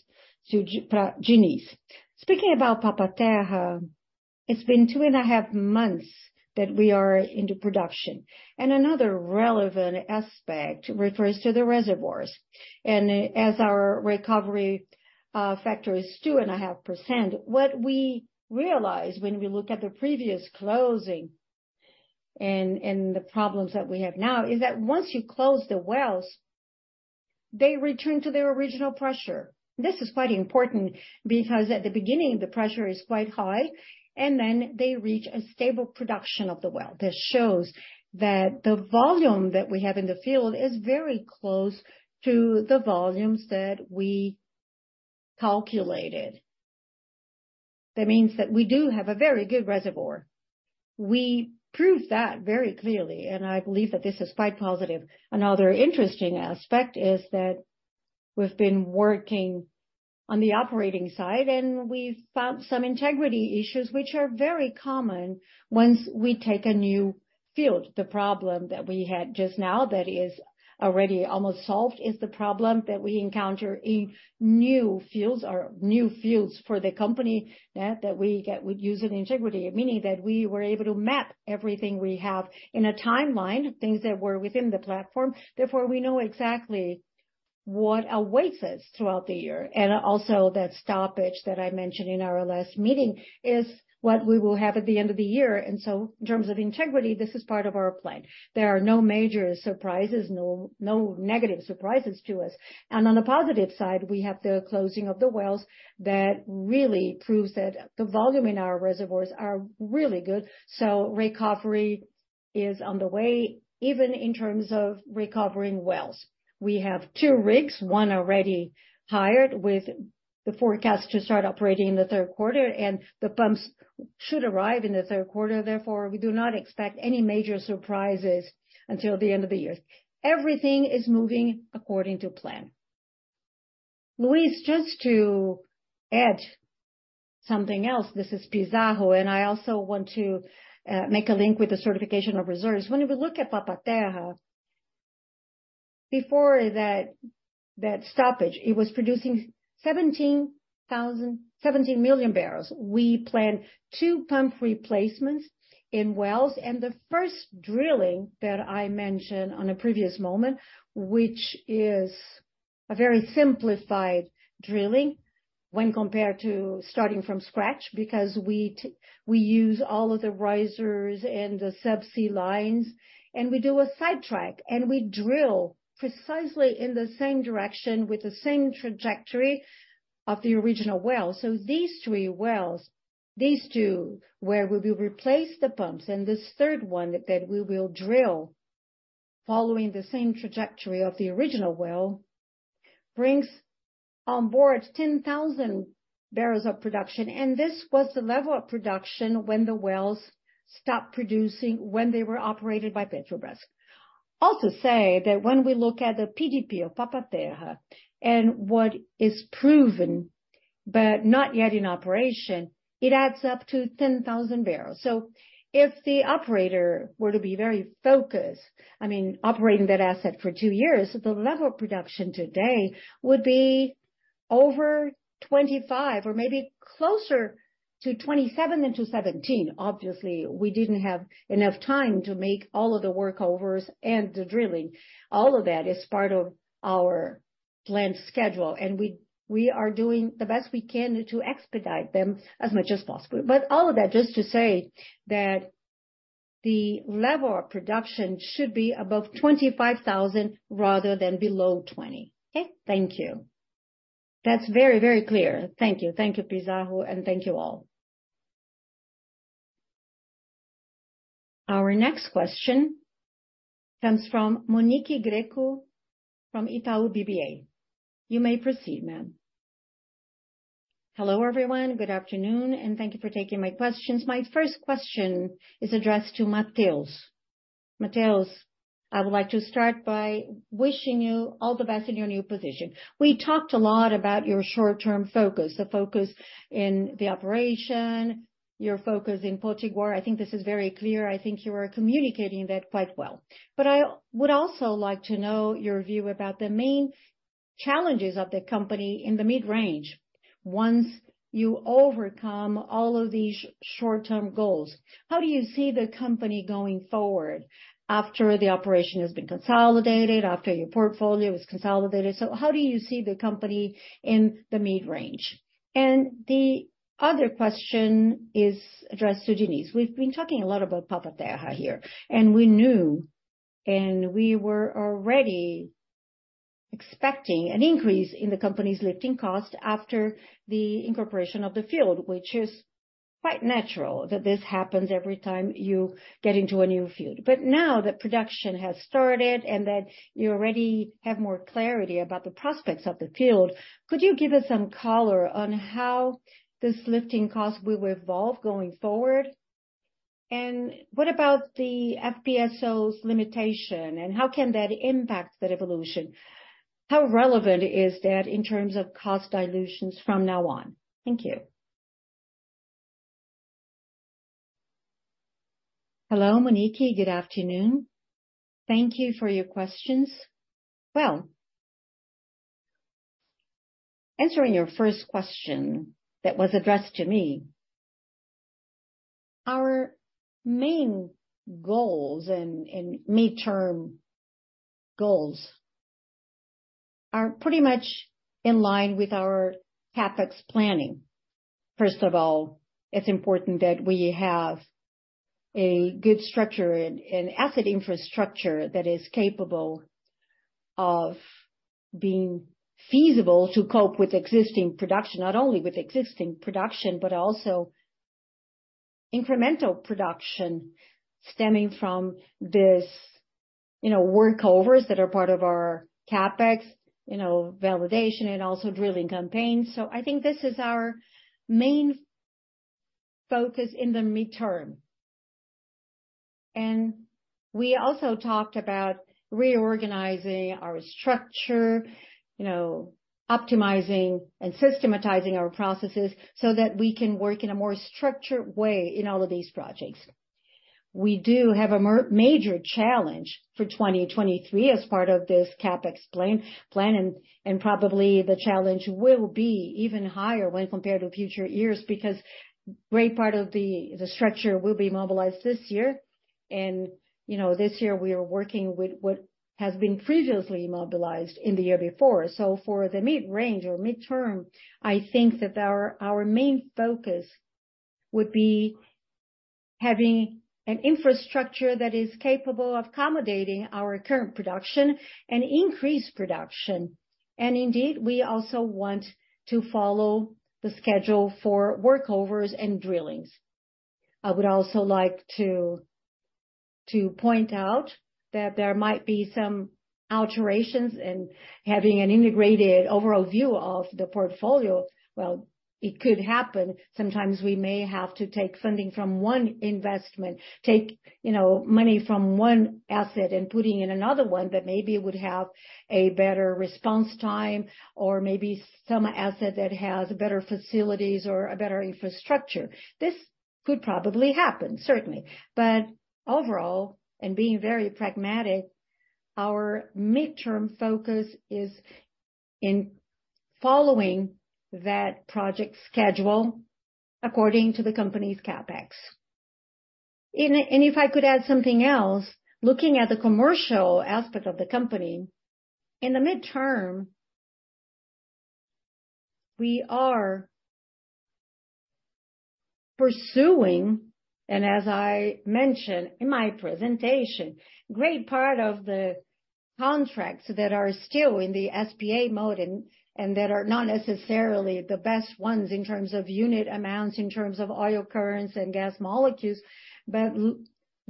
Diniz. Speaking about Papa-Terra, it's been 2.5 months that we are into production. Another relevant aspect refers to the reservoirs. As our recovery factor is 2.5%, what we realize when we look at the previous closing and the problems that we have now is that once you close the wells, they return to their original pressure. This is quite important because at the beginning, the pressure is quite high, and then they reach a stable production of the well. This shows that the volume that we have in the field is very close to the volumes that we calculated. That means that we do have a very good reservoir. We proved that very clearly, and I believe that this is quite positive. Another interesting aspect is that we've been working on the operating side, and we've found some integrity issues which are very common once we take a new field. The problem that we had just now that is already almost solved is the problem that we encounter in new fields or new fields for the company, yeah, that we use in integrity. Meaning that we were able to map everything we have in a timeline, things that were within the platform. Therefore, we know exactly what awaits us throughout the year. Also that stoppage that I mentioned in our last meeting is what we will have at the end of the year. In terms of integrity, this is part of our plan. There are no major surprises, no negative surprises to us. On the positive side, we have the closing of the wells that really proves that the volume in our reservoirs are really good, so recovery is on the way, even in terms of recovering wells. We have two rigs, one already hired with the forecast to start operating in the third quarter, and the pumps should arrive in the third quarter. Therefore, we do not expect any major surprises until the end of the year. Everything is moving according to plan. Luiz, just to add something else, this is Pizarro, and I also want to make a link with the certification of reserves. When we look at Papa-Terra, before that stoppage, it was producing 17 million barrels. We planned two pump replacements in wells. The first drilling that I mentioned on a previous moment, which is a very simplified drilling when compared to starting from scratch, because we use all of the risers and the subsea lines, and we do a sidetrack, and we drill precisely in the same direction with the same trajectory of the original well. These three wells, these two, where we will replace the pumps and this third one that we will drill following the same trajectory of the original well, brings on board 10,000 barrels of production. This was the level of production when the wells stopped producing when they were operated by Petrobras. Say that when we look at the PDP of Papa-Terra and what is proven, but not yet in operation, it adds up to 10,000 barrels. If the operator were to be very focused, I mean, operating that asset for two years, the level of production today would be over 25 or maybe closer to 27 than to 17. Obviously, we didn't have enough time to make all of the workovers and the drilling. All of that is part of our planned schedule, and we are doing the best we can to expedite them as much as possible. All of that just to say that the level of production should be above 25,000 rather than below 20. Okay. Thank you. That's very, very clear. Thank you. Thank you, Pizarro, and thank you all. Our next question comes from Monique Greco from Itaú BBA. You may proceed, ma'am. Hello, everyone. Good afternoon, and thank you for taking my questions. My first question is addressed to Matheus. Matheus, I would like to start by wishing you all the best in your new position. We talked a lot about your short-term focus, the focus in the operation, your focus in Potiguar. I think this is very clear. I think you are communicating that quite well. I would also like to know your view about the main challenges of the company in the mid-range. Once you overcome all of these short-term goals, how do you see the company going forward after the operation has been consolidated, after your portfolio is consolidated? How do you see the company in the mid-range? The other question is addressed to Diniz. We've been talking a lot about Papa-Terra here, and we knew, and we were already expecting an increase in the company's lifting cost after the incorporation of the field, which is quite natural that this happens every time you get into a new field. Now that production has started and that you already have more clarity about the prospects of the field, could you give us some color on how this lifting cost will evolve going forward? What about the FPSO's limitation, and how can that impact the revolution? How relevant is that in terms of cost dilutions from now on? Thank you. Hello, Monique. Good afternoon. Thank you for your questions. Well, answering your first question that was addressed to me, our main goals and midterm goals are pretty much in line with our CapEx planning. First of all, it's important that we have a good structure and asset infrastructure that is capable of being feasible to cope with existing production. Not only with existing production, but also incremental production stemming from this, you know, workovers that are part of our CapEx, you know, validation and also drilling campaigns. I think this is our main focus in the midterm. We also talked about reorganizing our structure, you know, optimizing and systematizing our processes so that we can work in a more structured way in all of these projects. We do have a major challenge for 2023 as part of this CapEx plan, and probably the challenge will be even higher when compared to future years because great part of the structure will be mobilized this year. You know, this year we are working with what has been previously mobilized in the year before. For the mid-range or midterm, I think that our main focus would be having an infrastructure that is capable of accommodating our current production and increase production. Indeed, we also want to follow the schedule for workovers and drillings. I would also like to point out that there might be some alterations in having an integrated overall view of the portfolio. Well, it could happen. Sometimes we may have to take funding from one investment, take, you know, money from one asset and putting in another one that maybe would have a better response time or maybe some asset that has better facilities or a better infrastructure. This could probably happen, certainly. Overall, and being very pragmatic, our midterm focus is in following that project schedule according to the company's CapEx. If I could add something else, looking at the commercial aspect of the company, in the midterm, we are pursuing, and as I mentioned in my presentation, great part of the contracts that are still in the SPA mode and that are not necessarily the best ones in terms of unit amounts, in terms of oil currents and gas molecules, but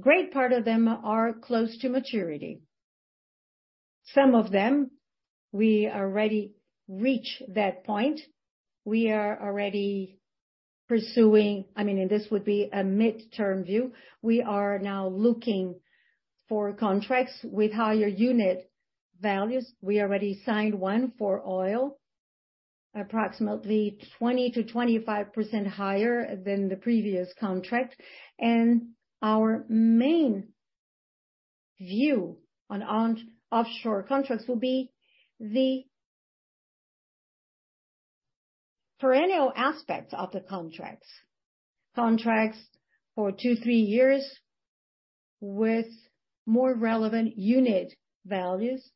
great part of them are close to maturity. Some of them, we already reach that point. We are already pursuing, I mean, and this would be a midterm view. We are now looking for contracts with higher unit values. We already signed one for oil, approximately 20%-25% higher than the previous contract. Our main view on offshore contracts will be the perennial aspects of the contracts. Contracts for two, three years with more relevant unit values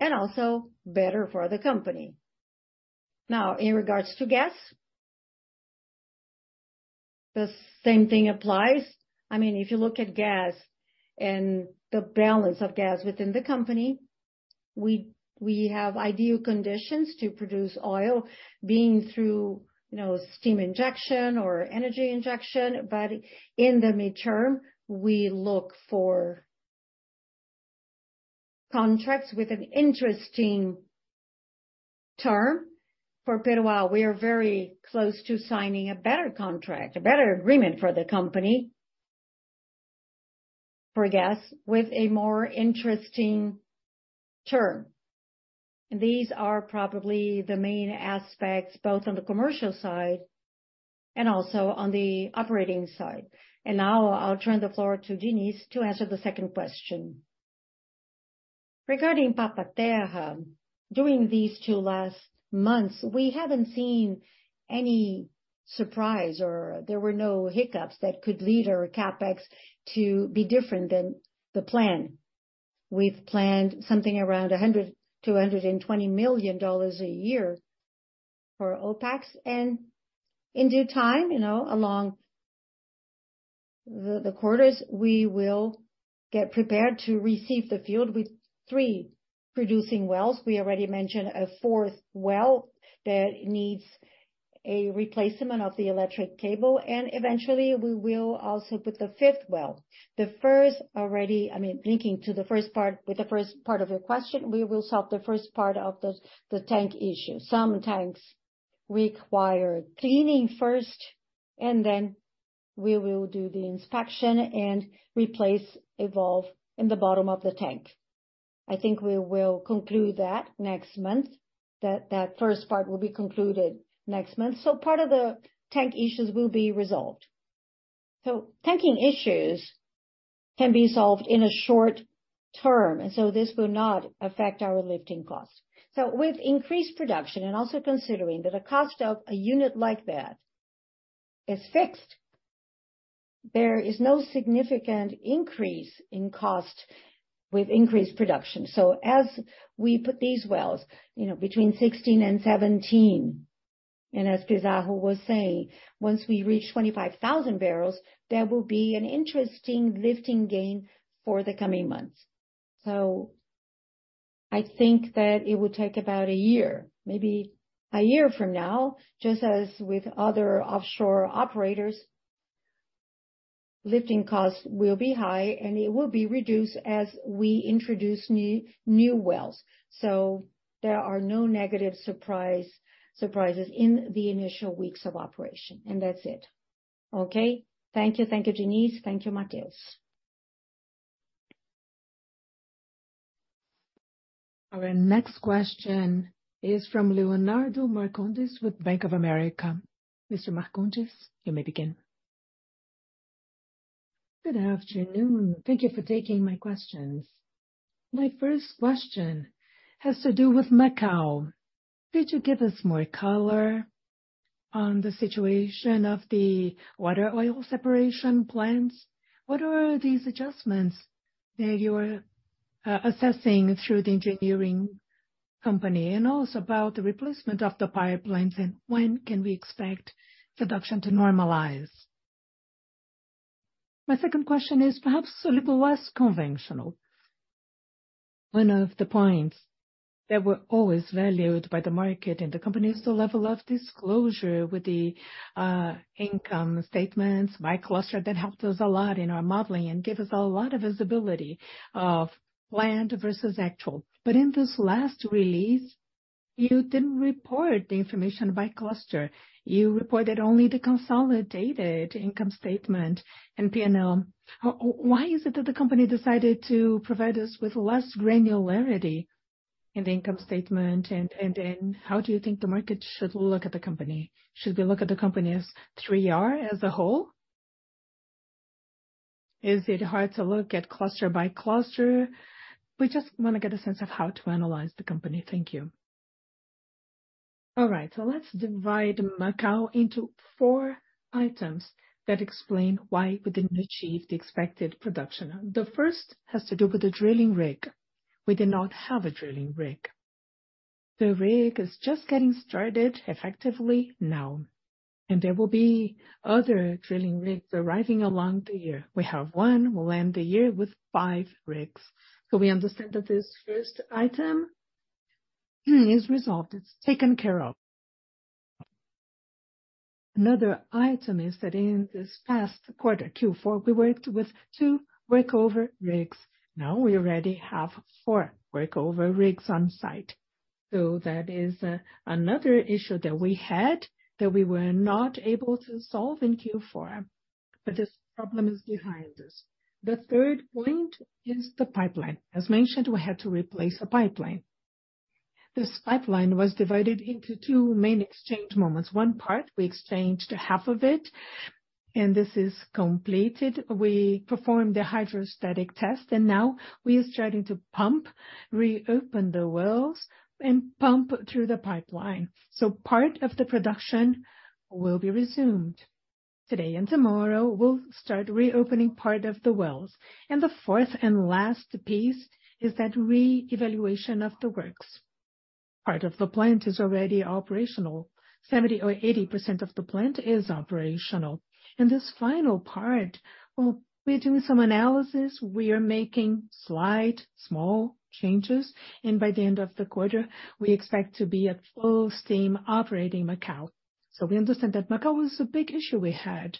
and also better for the company. In regards to gas, the same thing applies. I mean, if you look at gas and the balance of gas within the company, we have ideal conditions to produce oil being through, you know, steam injection or energy injection. In the midterm, we look for contracts with an interesting term. For Peroá, we are very close to signing a better contract, a better agreement for the company for gas with a more interesting term. These are probably the main aspects, both on the commercial side and also on the operating side. Now I'll turn the floor to Diniz to answer the second question. Regarding Papa-Terra, during these two last months, we haven't seen any surprise or there were no hiccups that could lead our CapEx to be different than the plan. We've planned something around $100 million-$120 million a year for OpEx. In due time, you know, along the quarters, we will get prepared to receive the field with three producing wells. We already mentioned a fourth well that needs a replacement of the electric cable, and eventually we will also put the fifth well. The first already... I mean, linking to the first part, with the first part of your question, we will solve the first part of the tank issue. Some tanks require cleaning first, and then we will do the inspection and replace a valve in the bottom of the tank. I think we will conclude that next month, that first part will be concluded next month. Part of the tank issues will be resolved. Tanking issues can be solved in a short term, this will not affect our lifting costs. With increased production, and also considering that the cost of a unit like that is fixed, there is no significant increase in cost with increased production. As we put these wells, you know, between 16 and 17, and as Pizarro was saying, once we reach 25,000 barrels, there will be an interesting lifting gain for the coming months. I think that it will take about a year, maybe a year from now, just as with other offshore operators, lifting costs will be high, and it will be reduced as we introduce new wells. There are no negative surprises in the initial weeks of operation. That's it. Okay. Thank you. Thank you, Diniz. Thank you, Matheus. Our next question is from Leonardo Marcondes with Bank of America. Mr. Marcondes, you may begin. Good afternoon. Thank you for taking my questions. My first question has to do with Macau. Could you give us more color on the situation of the water oil separation plans? What are these adjustments that you are assessing through the engineering company? Also about the replacement of the pipelines, and when can we expect production to normalize? My second question is perhaps a little less conventional. One of the points that were always valued by the market and the company is the level of disclosure with the income statements by cluster that helped us a lot in our modeling and gave us a lot of visibility of planned versus actual. In this last release, you didn't report the information by cluster. You reported only the consolidated income statement and P&L. Why is it that the company decided to provide us with less granularity in the income statement? How do you think the market should look at the company? Should we look at the company as 3R as a whole? Is it hard to look at cluster by cluster? We just wanna get a sense of how to analyze the company. Thank you. All right, let's divide Macau into four items that explain why we didn't achieve the expected production. The first has to do with the drilling rig. We did not have a drilling rig. The rig is just getting started effectively now. There will be other drilling rigs arriving along the year. We have one. We'll end the year with five rigs. We understand that this first item is resolved. It's taken care of. Another item is that in this past quarter, Q4, we worked with two workover rigs. Now we already have four workover rigs on site. That is another issue that we had that we were not able to solve in Q4, but this problem is behind us. The third point is the pipeline. As mentioned, we had to replace a pipeline. This pipeline was divided into two main exchange moments. One part, we exchanged half of it, and this is completed. We performed the hydrostatic test and now we are starting to pump, reopen the wells and pump through the pipeline. Part of the production will be resumed. Today and tomorrow, we'll start reopening part of the wells. The fourth and last piece is that re-evaluation of the works. Part of the plant is already operational. 70% or 80% of the plant is operational. This final part, well, we're doing some analysis. We are making slight, small changes, and by the end of the quarter, we expect to be at full steam operating Macau. We understand that Macau was a big issue we had.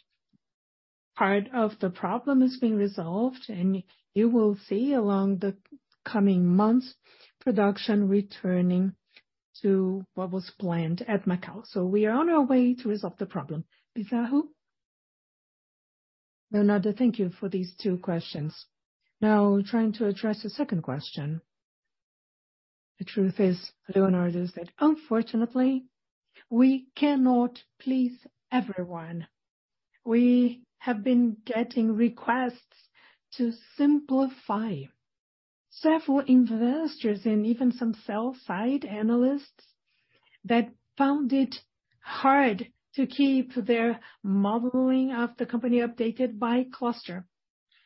Part of the problem is being resolved, and you will see along the coming months, production returning to what was planned at Macau. We are on our way to resolve the problem. Pizarro. Leonardo, thank you for these two questions. Now trying to address the second question. The truth is, Leonardo, is that unfortunately, we cannot please everyone. We have been getting requests to simplify. Several investors and even some sell-side analysts that found it hard to keep their modeling of the company updated by cluster.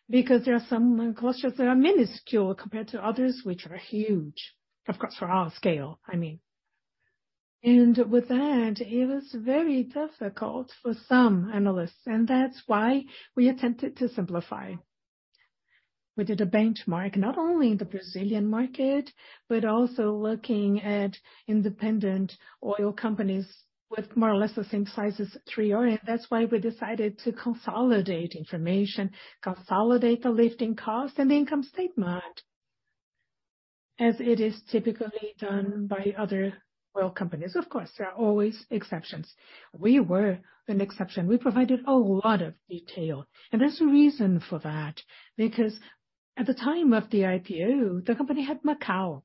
There are some clusters that are minuscule compared to others, which are huge. Of course, for our scale, I mean. With that, it was very difficult for some analysts, and that's why we attempted to simplify. We did a benchmark, not only in the Brazilian market, but also looking at independent oil companies with more or less the same size as 3R. That's why we decided to consolidate information, consolidate the lifting cost and income statement, as it is typically done by other oil companies. Of course, there are always exceptions. We were an exception. We provided a lot of detail. There's a reason for that, because at the time of the IPO, the company had Macau.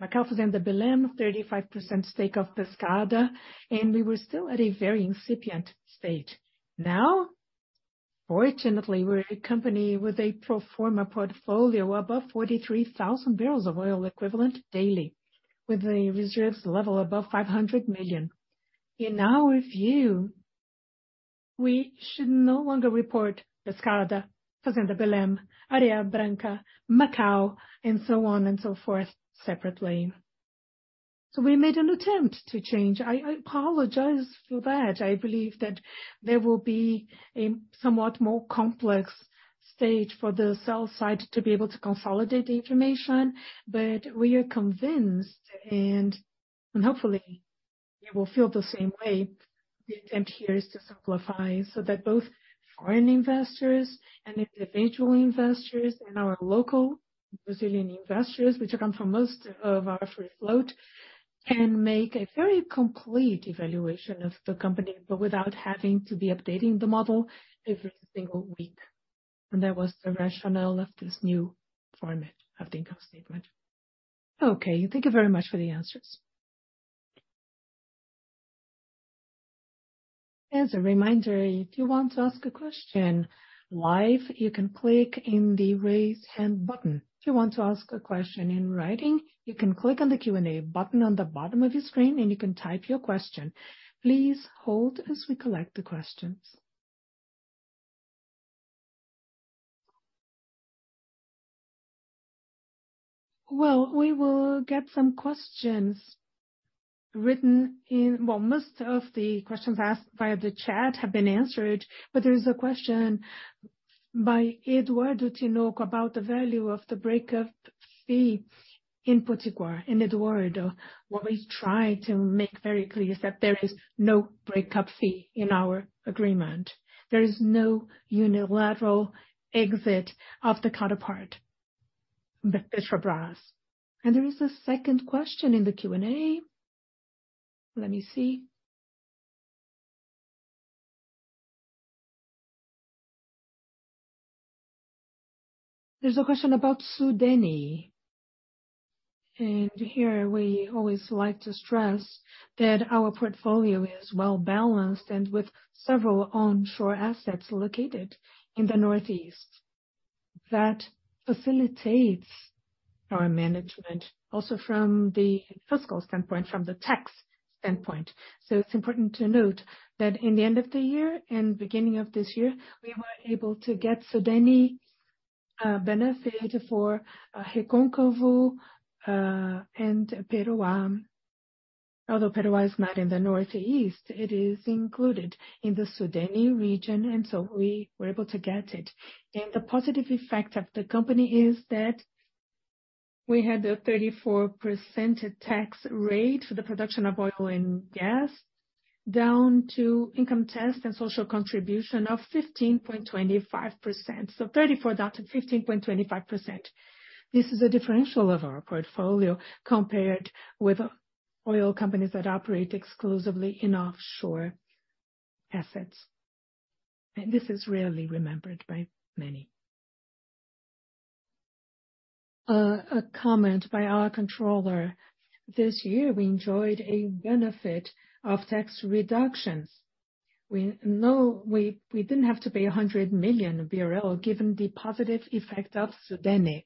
Macau was in the Belém, 35% stake of Pescada, and we were still at a very incipient state. Fortunately, we're a company with a pro forma portfolio above 43,000 barrels of oil equivalent daily, with the reserves level above 500 million. In our view, we should no longer report Pescada, Fazenda Belém, Areia Branca, Macau, and so on and so forth separately. We made an attempt to change. I apologize for that. I believe that there will be a somewhat more complex stage for the sell side to be able to consolidate the information. We are convinced, and hopefully you will feel the same way. The attempt here is to simplify so that both foreign investors and individual investors and our local Brazilian investors, which account for most of our free float, can make a very complete evaluation of the company, but without having to be updating the model every single week. That was the rationale of this new format of the income statement. Okay, thank you very much for the answers. As a reminder, if you want to ask a question live, you can click in the Raise Hand button. If you want to ask a question in writing, you can click on the Q&A button on the bottom of your screen, and you can type your question. Please hold as we collect the questions. We will get some questions written in. Most of the questions asked via the chat have been answered, but there is a question by Eduardo Tinoco about the value of the breakup fee in Potiguar. Eduardo, what we try to make very clear is that there is no breakup fee in our agreement. There is no unilateral exit of the counterpart, Petrobras. There is a second question in the Q&A. Let me see. There's a question about Sudene. Here we always like to stress that our portfolio is well-balanced and with several onshore assets located in the Northeast. That facilitates our management also from the fiscal standpoint, from the tax standpoint. It's important to note that in the end of the year and beginning of this year, we were able to get Sudene benefit for Recôncavo and Peroá. Although Peroá is not in the Northeast, it is included in the Sudene region, and so we were able to get it. The positive effect of the company is that we had a 34% tax rate for the production of oil and gas, down to income tax and social contribution of 15.25%. 34 down to 15.25%. This is a differential of our portfolio compared with oil companies that operate exclusively in offshore assets. This is rarely remembered by many. A comment by our controller. This year, we enjoyed a benefit of tax reductions. We know we didn't have to pay 100 million BRL given the positive effect of Sudene.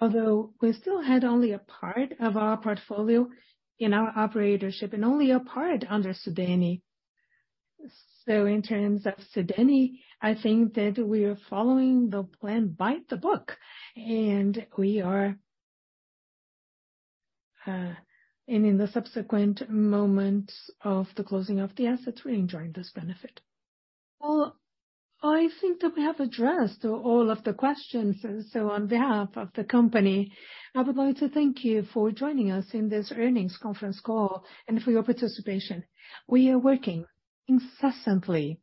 Although we still had only a part of our portfolio in our operatorship and only a part under Sudene. In terms of Sudene, I think that we are following the plan by the book, and we are, and in the subsequent moments of the closing of the assets, we're enjoying this benefit. I think that we have addressed all of the questions. On behalf of the company, I would like to thank you for joining us in this earnings conference call, and for your participation. We are working incessantly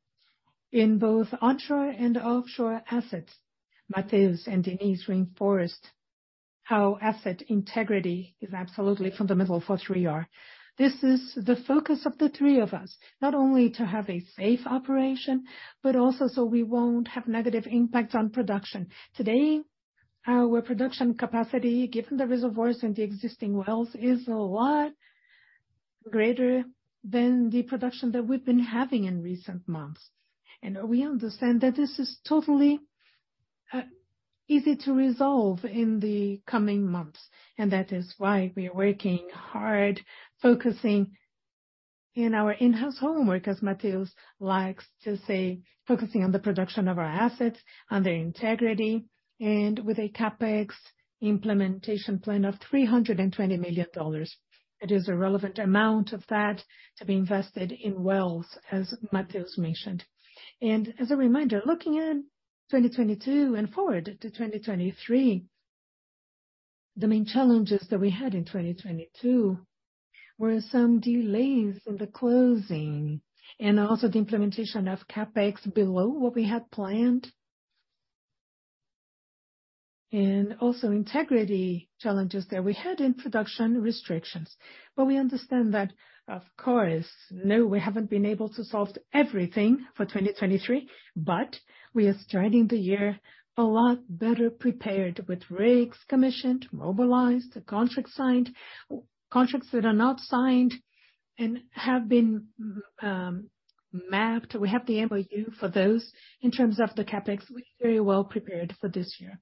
in both onshore and offshore assets. Matheus and Diniz reinforced how asset integrity is absolutely fundamental for Three Ar. This is the focus of the three of us, not only to have a safe operation, but also so we won't have negative impacts on production. Today, our production capacity, given the reservoirs and the existing wells, is a lot greater than the production that we've been having in recent months. We understand that this is totally easy to resolve in the coming months, and that is why we're working hard, focusing in our in-house homework, as Matheus likes to say, focusing on the production of our assets and their integrity, and with a CapEx implementation plan of $320 million. It is a relevant amount of that to be invested in wells, as Matheus mentioned. As a reminder, looking at 2022 and forward to 2023, the main challenges that we had in 2022 were some delays in the closing and also the implementation of CapEx below what we had planned. Also integrity challenges that we had in production restrictions. We understand that, of course, no, we haven't been able to solve everything for 2023, but we are starting the year a lot better prepared with rigs commissioned, mobilized, the contract signed. Contracts that are not signed and have been mapped, we have the MOU for those. In terms of the CapEx, we're very well prepared for this year.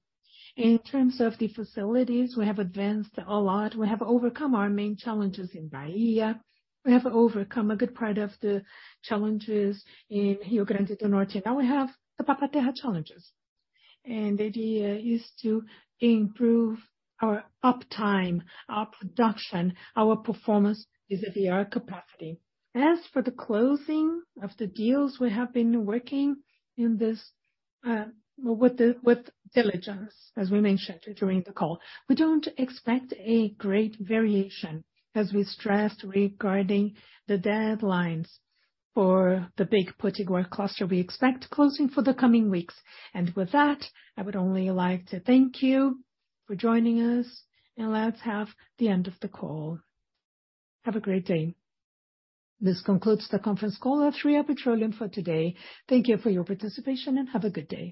In terms of the facilities, we have advanced a lot. We have overcome our main challenges in Bahia. We have overcome a good part of the challenges in Rio Grande do Norte. Now we have the Papa-Terra challenges. The idea is to improve our uptime, our production, our performance with the VR capacity. As for the closing of the deals, we have been working in this with diligence, as we mentioned during the call. We don't expect a great variation, as we stressed regarding the deadlines for the big Potiguar cluster, we expect closing for the coming weeks. With that, I would only like to thank you for joining us. Let's have the end of the call. Have a great day. This concludes the conference call of 3R Petroleum for today. Thank you for your participation. Have a good day.